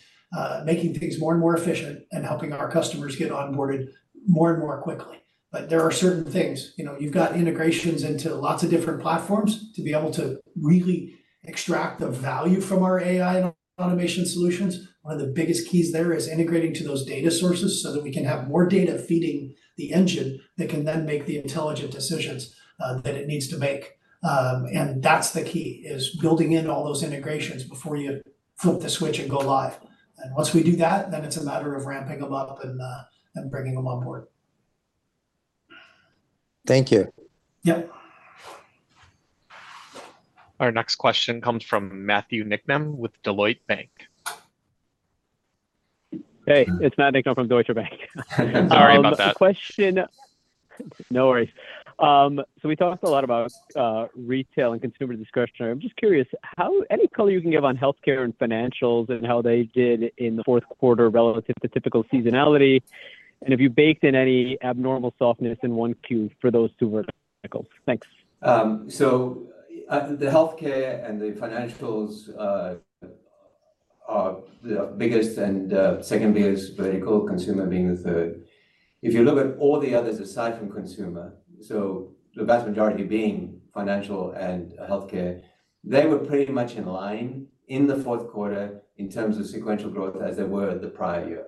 Speaker 3: making things more and more efficient and helping our customers get onboarded more and more quickly. But there are certain things, you know, you've got integrations into lots of different platforms to be able to really extract the value from our AI and automation solutions. One of the biggest keys there is integrating to those data sources so that we can have more data feeding the engine that can then make the intelligent decisions, that it needs to make. And that's the key, is building in all those integrations before you flip the switch and go live. And once we do that, then it's a matter of ramping them up and bringing them on board.
Speaker 13: Thank you.
Speaker 3: Yeah.
Speaker 1: Our next question comes from Matthew Niknam with Deutsche Bank.
Speaker 14: Hey, it's Matt Niknam from Deutsche Bank.
Speaker 1: Sorry about that.
Speaker 14: The question... No worries. So we talked a lot about retail and consumer discretionary. I'm just curious, how any color you can give on healthcare and financials and how they did in the fourth quarter relative to typical seasonality, and have you baked in any abnormal softness in 1Q for those two verticals? Thanks.
Speaker 4: So, the healthcare and the financials are the biggest and second biggest vertical, consumer being the third. If you look at all the others aside from consumer, so the vast majority being financial and healthcare, they were pretty much in line in the fourth quarter in terms of sequential growth as they were the prior year.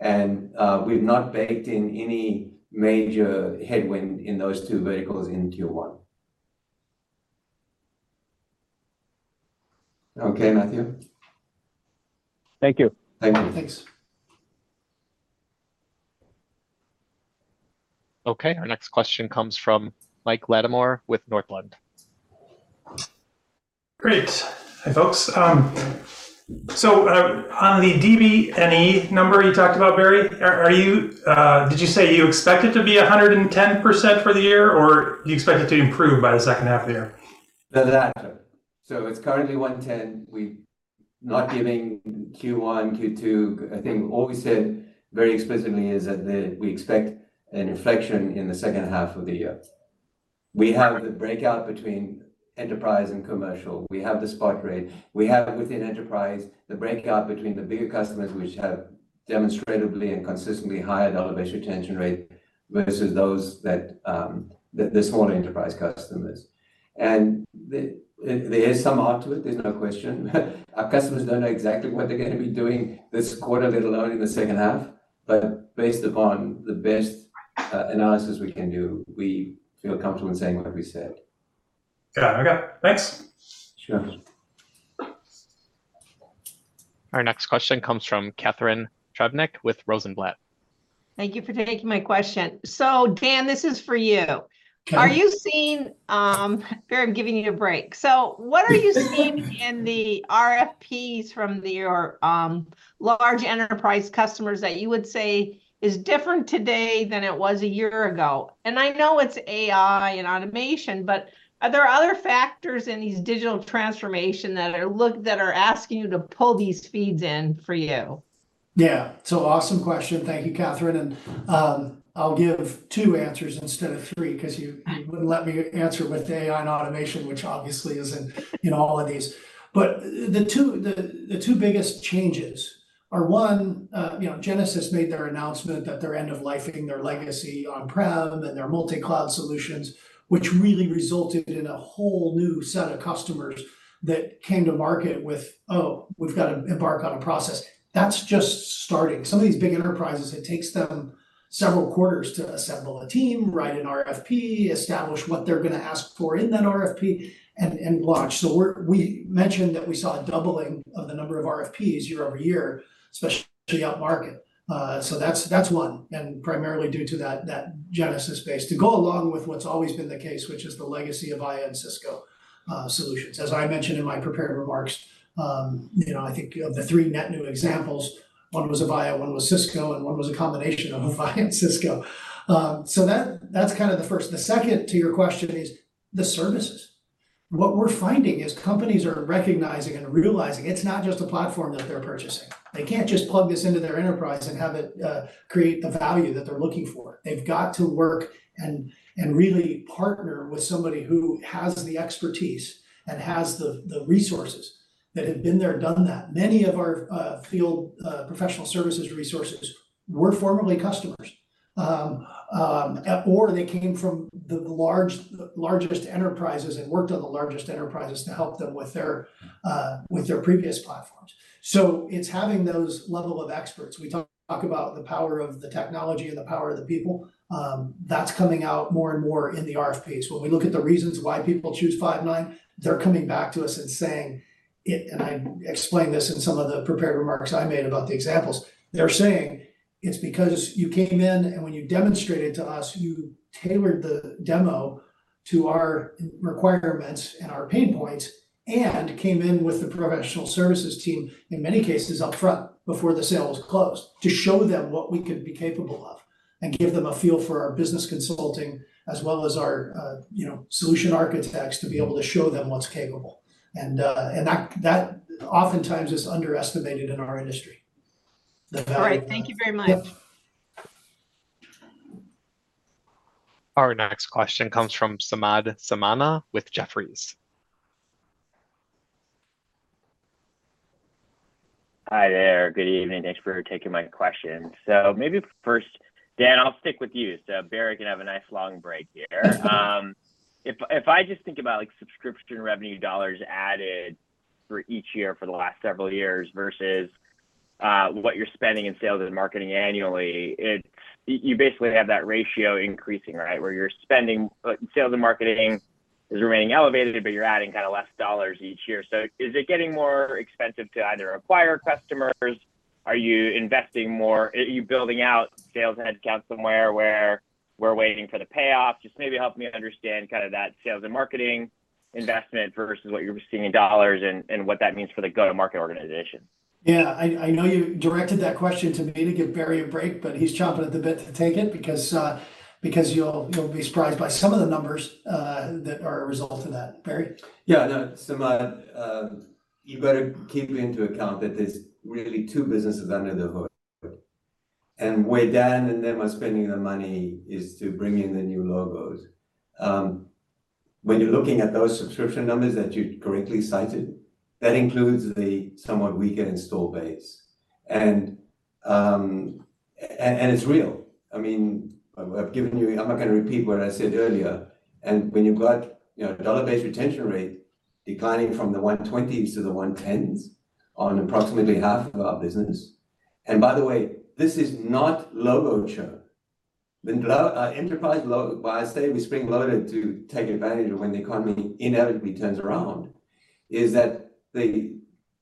Speaker 4: And we've not baked in any major headwind in those two verticals in Q1. Okay, Matthew?
Speaker 14: Thank you.
Speaker 4: Thank you. Thanks.
Speaker 1: Okay, our next question comes from Mike Latimore with Northland.
Speaker 15: Great. Hi, folks. So, on the DBNE number you talked about, Barry, did you say you expect it to be 110% for the year, or you expect it to improve by the second half of the year?
Speaker 4: The latter. So it's currently 110. We're not giving Q1, Q2. I think all we said very explicitly is that we expect an inflection in the second half of the year. We have the breakout between enterprise and commercial. We have the spot rate. We have within enterprise, the breakout between the bigger customers, which have demonstratively and consistently higher Dollar-Based Retention Rate, versus those that the smaller enterprise customers. And there is some art to it, there's no question. Our customers don't know exactly what they're going to be doing this quarter, let alone in the second half. But based upon the best analysis we can do, we feel comfortable in saying what we said.
Speaker 12: Good. Okay, thanks.
Speaker 4: Sure....
Speaker 1: Our next question comes from Catharine Trebnick with Rosenblatt.
Speaker 16: Thank you for taking my question. So Dan, this is for you.
Speaker 3: Okay.
Speaker 16: Are you seeing, Barry, I'm giving you a break. What are you seeing in the RFPs from your large enterprise customers that you would say is different today than it was a year ago? And I know it's AI and automation, but are there other factors in these digital transformation that are asking you to pull these feeds in for you?
Speaker 3: Yeah. So awesome question. Thank you, Catharine, and, I'll give two answers instead of three, because you-
Speaker 16: Right...
Speaker 3: you wouldn't let me answer with AI and automation, which obviously is in all of these. But the two biggest changes are one, you know, Genesys made their announcement that they're end-of-lifing their legacy on-prem and their multi-cloud solutions, which really resulted in a whole new set of customers that came to market with, "Oh, we've got to embark on a process." That's just starting. Some of these big enterprises, it takes them several quarters to assemble a team, write an RFP, establish what they're going to ask for in that RFP and launch. So we mentioned that we saw a doubling of the number of RFPs year-over-year, especially upmarket. So that's one, and primarily due to that Genesys base. To go along with what's always been the case, which is the legacy of Avaya and Cisco solutions. As I mentioned in my prepared remarks, you know, I think of the three net new examples, one was Avaya, one was Cisco, and one was a combination of Avaya and Cisco. So that, that's kind of the first. The second to your question is the services. What we're finding is companies are recognizing and realizing it's not just a platform that they're purchasing. They can't just plug this into their enterprise and have it create the value that they're looking for. They've got to work and really partner with somebody who has the expertise and has the resources that have been there, done that. Many of our field professional services resources were formerly customers. Or they came from the largest enterprises and worked on the largest enterprises to help them with their previous platforms. So it's having those level of experts. We talk about the power of the technology and the power of the people. That's coming out more and more in the RFPs. When we look at the reasons why people choose Five9, they're coming back to us and saying, it... And I explained this in some of the prepared remarks I made about the examples. They're saying, "It's because you came in, and when you demonstrated to us, you tailored the demo to our requirements and our pain points, and came in with the professional services team," in many cases up front, before the sale was closed, to show them what we could be capable of and give them a feel for our business consulting as well as our, you know, solution architects to be able to show them what's capable. And, and that, that oftentimes is underestimated in our industry. The value-
Speaker 16: All right. Thank you very much.
Speaker 1: Our next question comes from Samad Samana with Jefferies.
Speaker 17: Hi there. Good evening. Thanks for taking my question. So maybe first, Dan, I'll stick with you, so Barry can have a nice long break here. If I just think about like subscription revenue dollars added for each year for the last several years versus what you're spending in sales and marketing annually, it. You basically have that ratio increasing, right? Where you're spending, but sales and marketing is remaining elevated, but you're adding kind of less dollars each year. So is it getting more expensive to either acquire customers? Are you investing more, are you building out sales headcount somewhere where we're waiting for the payoff? Just maybe help me understand kind of that sales and marketing investment versus what you're seeing in dollars and what that means for the go-to-market organization.
Speaker 3: Yeah, I know you directed that question to me to give Barry a break, but he's chomping at the bit to take it because you'll, you'll be surprised by some of the numbers that are a result of that. Barry?
Speaker 4: Yeah, no, Samad, you better keep into account that there's really two businesses under the hood. And where Dan and them are spending the money is to bring in the new logos. When you're looking at those subscription numbers that you correctly cited, that includes the somewhat weaker install base. And it's real. I mean, I've given you... I'm not going to repeat what I said earlier. And when you've got, you know, dollar-based retention rate declining from the 120s to the 110s on approximately half of our business, and by the way, this is not logo churn. The enterprise logo, why I say we spring-loaded to take advantage of when the economy inevitably turns around, is that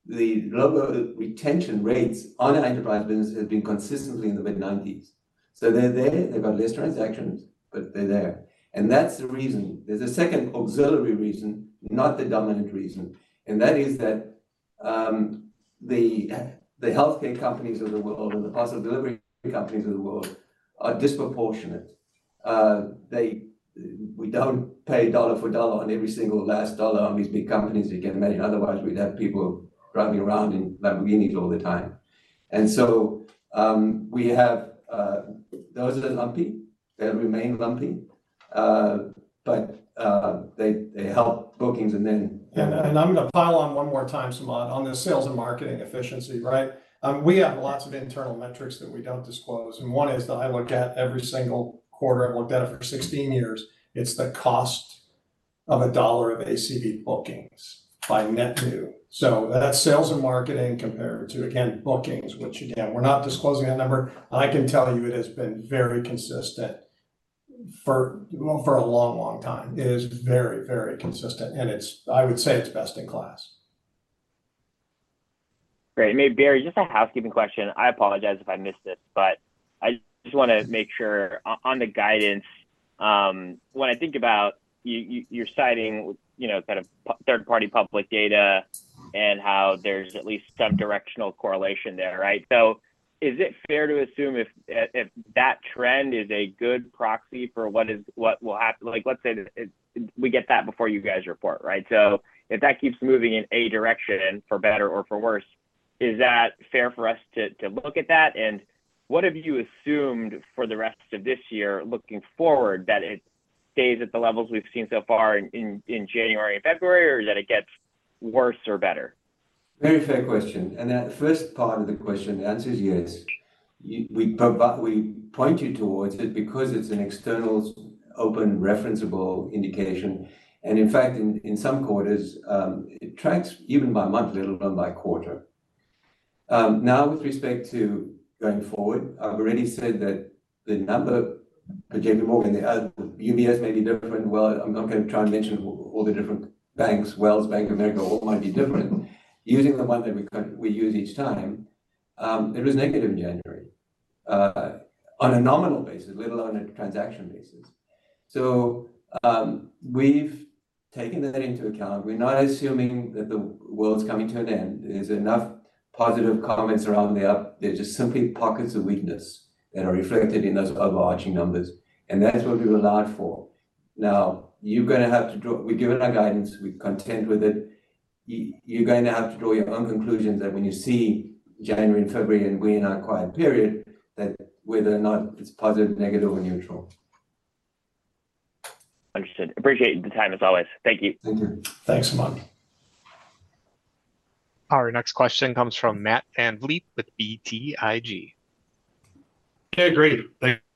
Speaker 4: the logo retention rates on an enterprise business have been consistently in the mid-90s. So they're there, they've got less transactions, but they're there. And that's the reason. There's a second auxiliary reason, not the dominant reason, and that is that, the healthcare companies of the world and the parcel delivery companies of the world are disproportionate. They—we don't pay dollar for dollar on every single last dollar on these big companies, you can imagine, otherwise, we'd have people running around in Lamborghini all the time. And so, we have, those are lumpy, they'll remain lumpy, but, they help bookings and then-
Speaker 3: And I'm going to pile on one more time, Samad, on the sales and marketing efficiency, right? We have lots of internal metrics that we don't disclose, and one is that I look at every single quarter, I've looked at it for 16 years, it's the cost of a dollar of ACV bookings by net new. So that's sales and marketing compared to, again, bookings, which again, we're not disclosing that number. I can tell you it has been very consistent for a long, long time. It is very, very consistent, and it's, I would say it's best in class.
Speaker 17: Great. Maybe, Barry, just a housekeeping question. I apologize if I missed this, but I just wanna make sure. On the guidance, when I think about you, you're citing, you know, kind of third-party public data and how there's at least some directional correlation there, right? So is it fair to assume if that trend is a good proxy for what is what will happen? Like, let's say that we get that before you guys report, right? So if that keeps moving in a direction, for better or for worse, is that fair for us to look at that? And what have you assumed for the rest of this year, looking forward, that it stays at the levels we've seen so far in January and February, or that it gets worse or better?
Speaker 4: Very fair question. And that first part of the question, the answer is yes. We point you towards it because it's an external, open, referenceable indication. And in fact, in some quarters, it tracks even by month, let alone by quarter. Now, with respect to going forward, I've already said that the number of JPMorgan and the UBS may be different. Well, I'm not going to try and mention all the different banks, Wells Fargo, Bank of America, all might be different. Using the one that we kind of, we use each time, it was negative in January, on a nominal basis, let alone a transaction basis. So, we've taken that into account. We're not assuming that the world is coming to an end. There's enough positive comments around the up. There are just simply pockets of weakness that are reflected in those overarching numbers, and that is what we've allowed for. Now, you're gonna have to draw... We've given our guidance, we're content with it. You're going to have to draw your own conclusions that when you see January and February, and we're in our quiet period, that whether or not it's positive, negative, or neutral.
Speaker 17: Understood. Appreciate the time, as always. Thank you.
Speaker 4: Thank you.
Speaker 3: Thanks a lot.
Speaker 1: Our next question comes from Matt VanVliet with BTIG.
Speaker 18: Okay, great.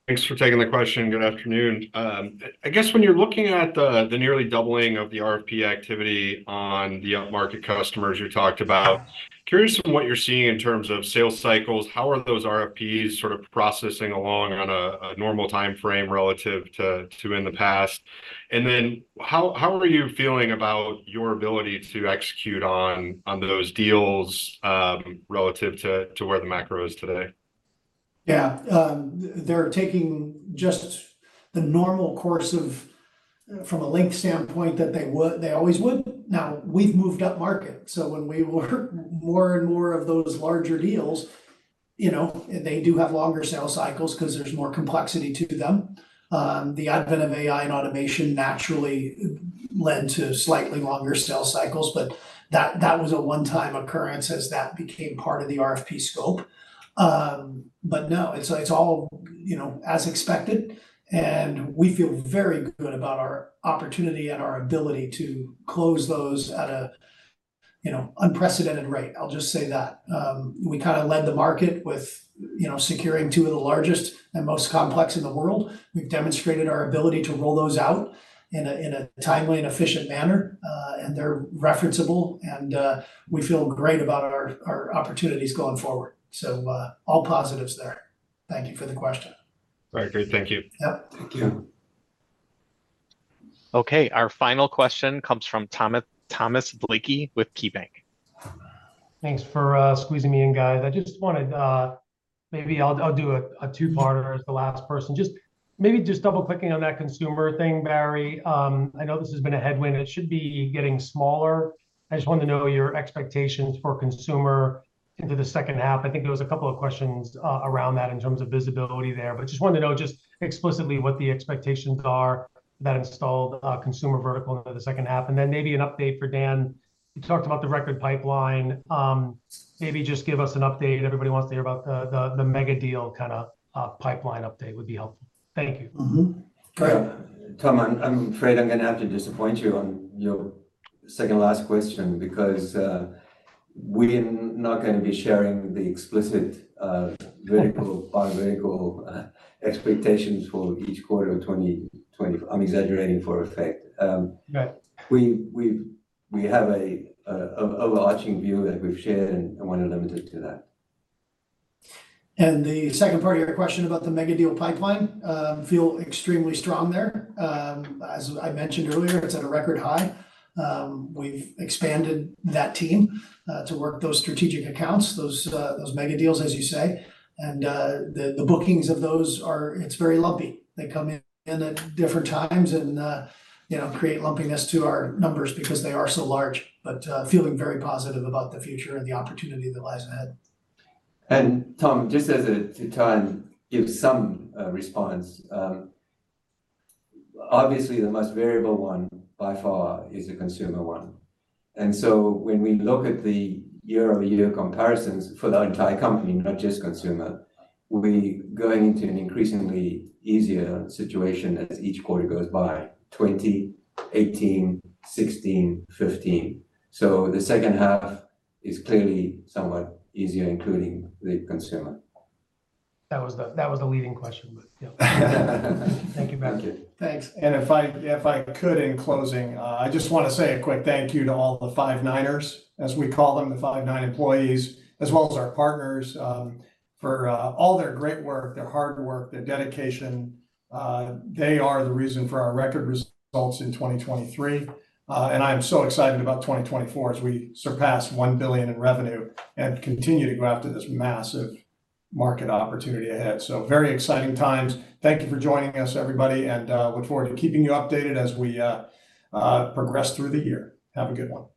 Speaker 18: Thanks for taking the question. Good afternoon. I guess when you're looking at the nearly doubling of the RFP activity on the upmarket customers you talked about, curious from what you're seeing in terms of sales cycles, how are those RFPs sort of processing along on a normal time frame relative to in the past? And then how are you feeling about your ability to execute on those deals, relative to where the macro is today?
Speaker 3: Yeah, they're taking just the normal course of, from a link standpoint, that they would, they always would. Now, we've moved upmarket, so when we were more and more of those larger deals, you know, they do have longer sales cycles because there's more complexity to them. The advent of AI and automation naturally led to slightly longer sales cycles, but that was a one-time occurrence as that became part of the RFP scope. But no, it's all, you know, as expected, and we feel very good about our opportunity and our ability to close those at a, you know, unprecedented rate. I'll just say that, we kind of led the market with, you know, securing two of the largest and most complex in the world. We've demonstrated our ability to roll those out in a timely and efficient manner, and they're referenceable, and we feel great about our opportunities going forward. So, all positives there. Thank you for the question.
Speaker 18: Very great. Thank you.
Speaker 3: Yep. Thank you.
Speaker 1: Okay, our final question comes from Thomas Blakey with KeyBanc.
Speaker 19: Thanks for squeezing me in, guys. I just wanted maybe I'll do a two-parter as the last person. Just maybe just double-clicking on that consumer thing, Barry. I know this has been a headwind. It should be getting smaller. I just wanted to know your expectations for consumer into the second half. I think there was a couple of questions around that in terms of visibility there. But just wanted to know just explicitly what the expectations are that installed consumer vertical into the second half, and then maybe an update for Dan. You talked about the record pipeline. Maybe just give us an update. Everybody wants to hear about the mega deal kind of pipeline update would be helpful. Thank you.
Speaker 4: Mm-hmm. Tom, I'm afraid I'm going to have to disappoint you on your second last question, because we're not going to be sharing the explicit vertical expectations for each quarter of 2020. I'm exaggerating for effect.
Speaker 19: Right.
Speaker 4: We have an overarching view that we've shared, and I want to limit it to that.
Speaker 3: The second part of your question about the mega deal pipeline, feel extremely strong there. As I mentioned earlier, it's at a record high. We've expanded that team to work those strategic accounts, those mega deals, as you say. The bookings of those are very lumpy. They come in at different times and, you know, create lumpiness to our numbers because they are so large, but feeling very positive about the future and the opportunity that lies ahead.
Speaker 4: And Tom, just as a to try and give some response, obviously, the most variable one by far is the consumer one. And so when we look at the year-over-year comparisons for the entire company, not just consumer, we'll be going into an increasingly easier situation as each quarter goes by 20, 18, 16, 15. So the second half is clearly somewhat easier, including the consumer.
Speaker 19: That was the leading question, but yeah. Thank you, Barry.
Speaker 4: Thank you.
Speaker 3: Thanks. And if I, if I could, in closing, I just want to say a quick thank you to all the Five9ers, as we call them, the Five9 employees, as well as our partners, for all their great work, their hard work, their dedication. They are the reason for our record results in 2023. And I'm so excited about 2024 as we surpass $1 billion in revenue and continue to go after this massive market opportunity ahead. So very exciting times. Thank you for joining us, everybody, and look forward to keeping you updated as we progress through the year. Have a good one.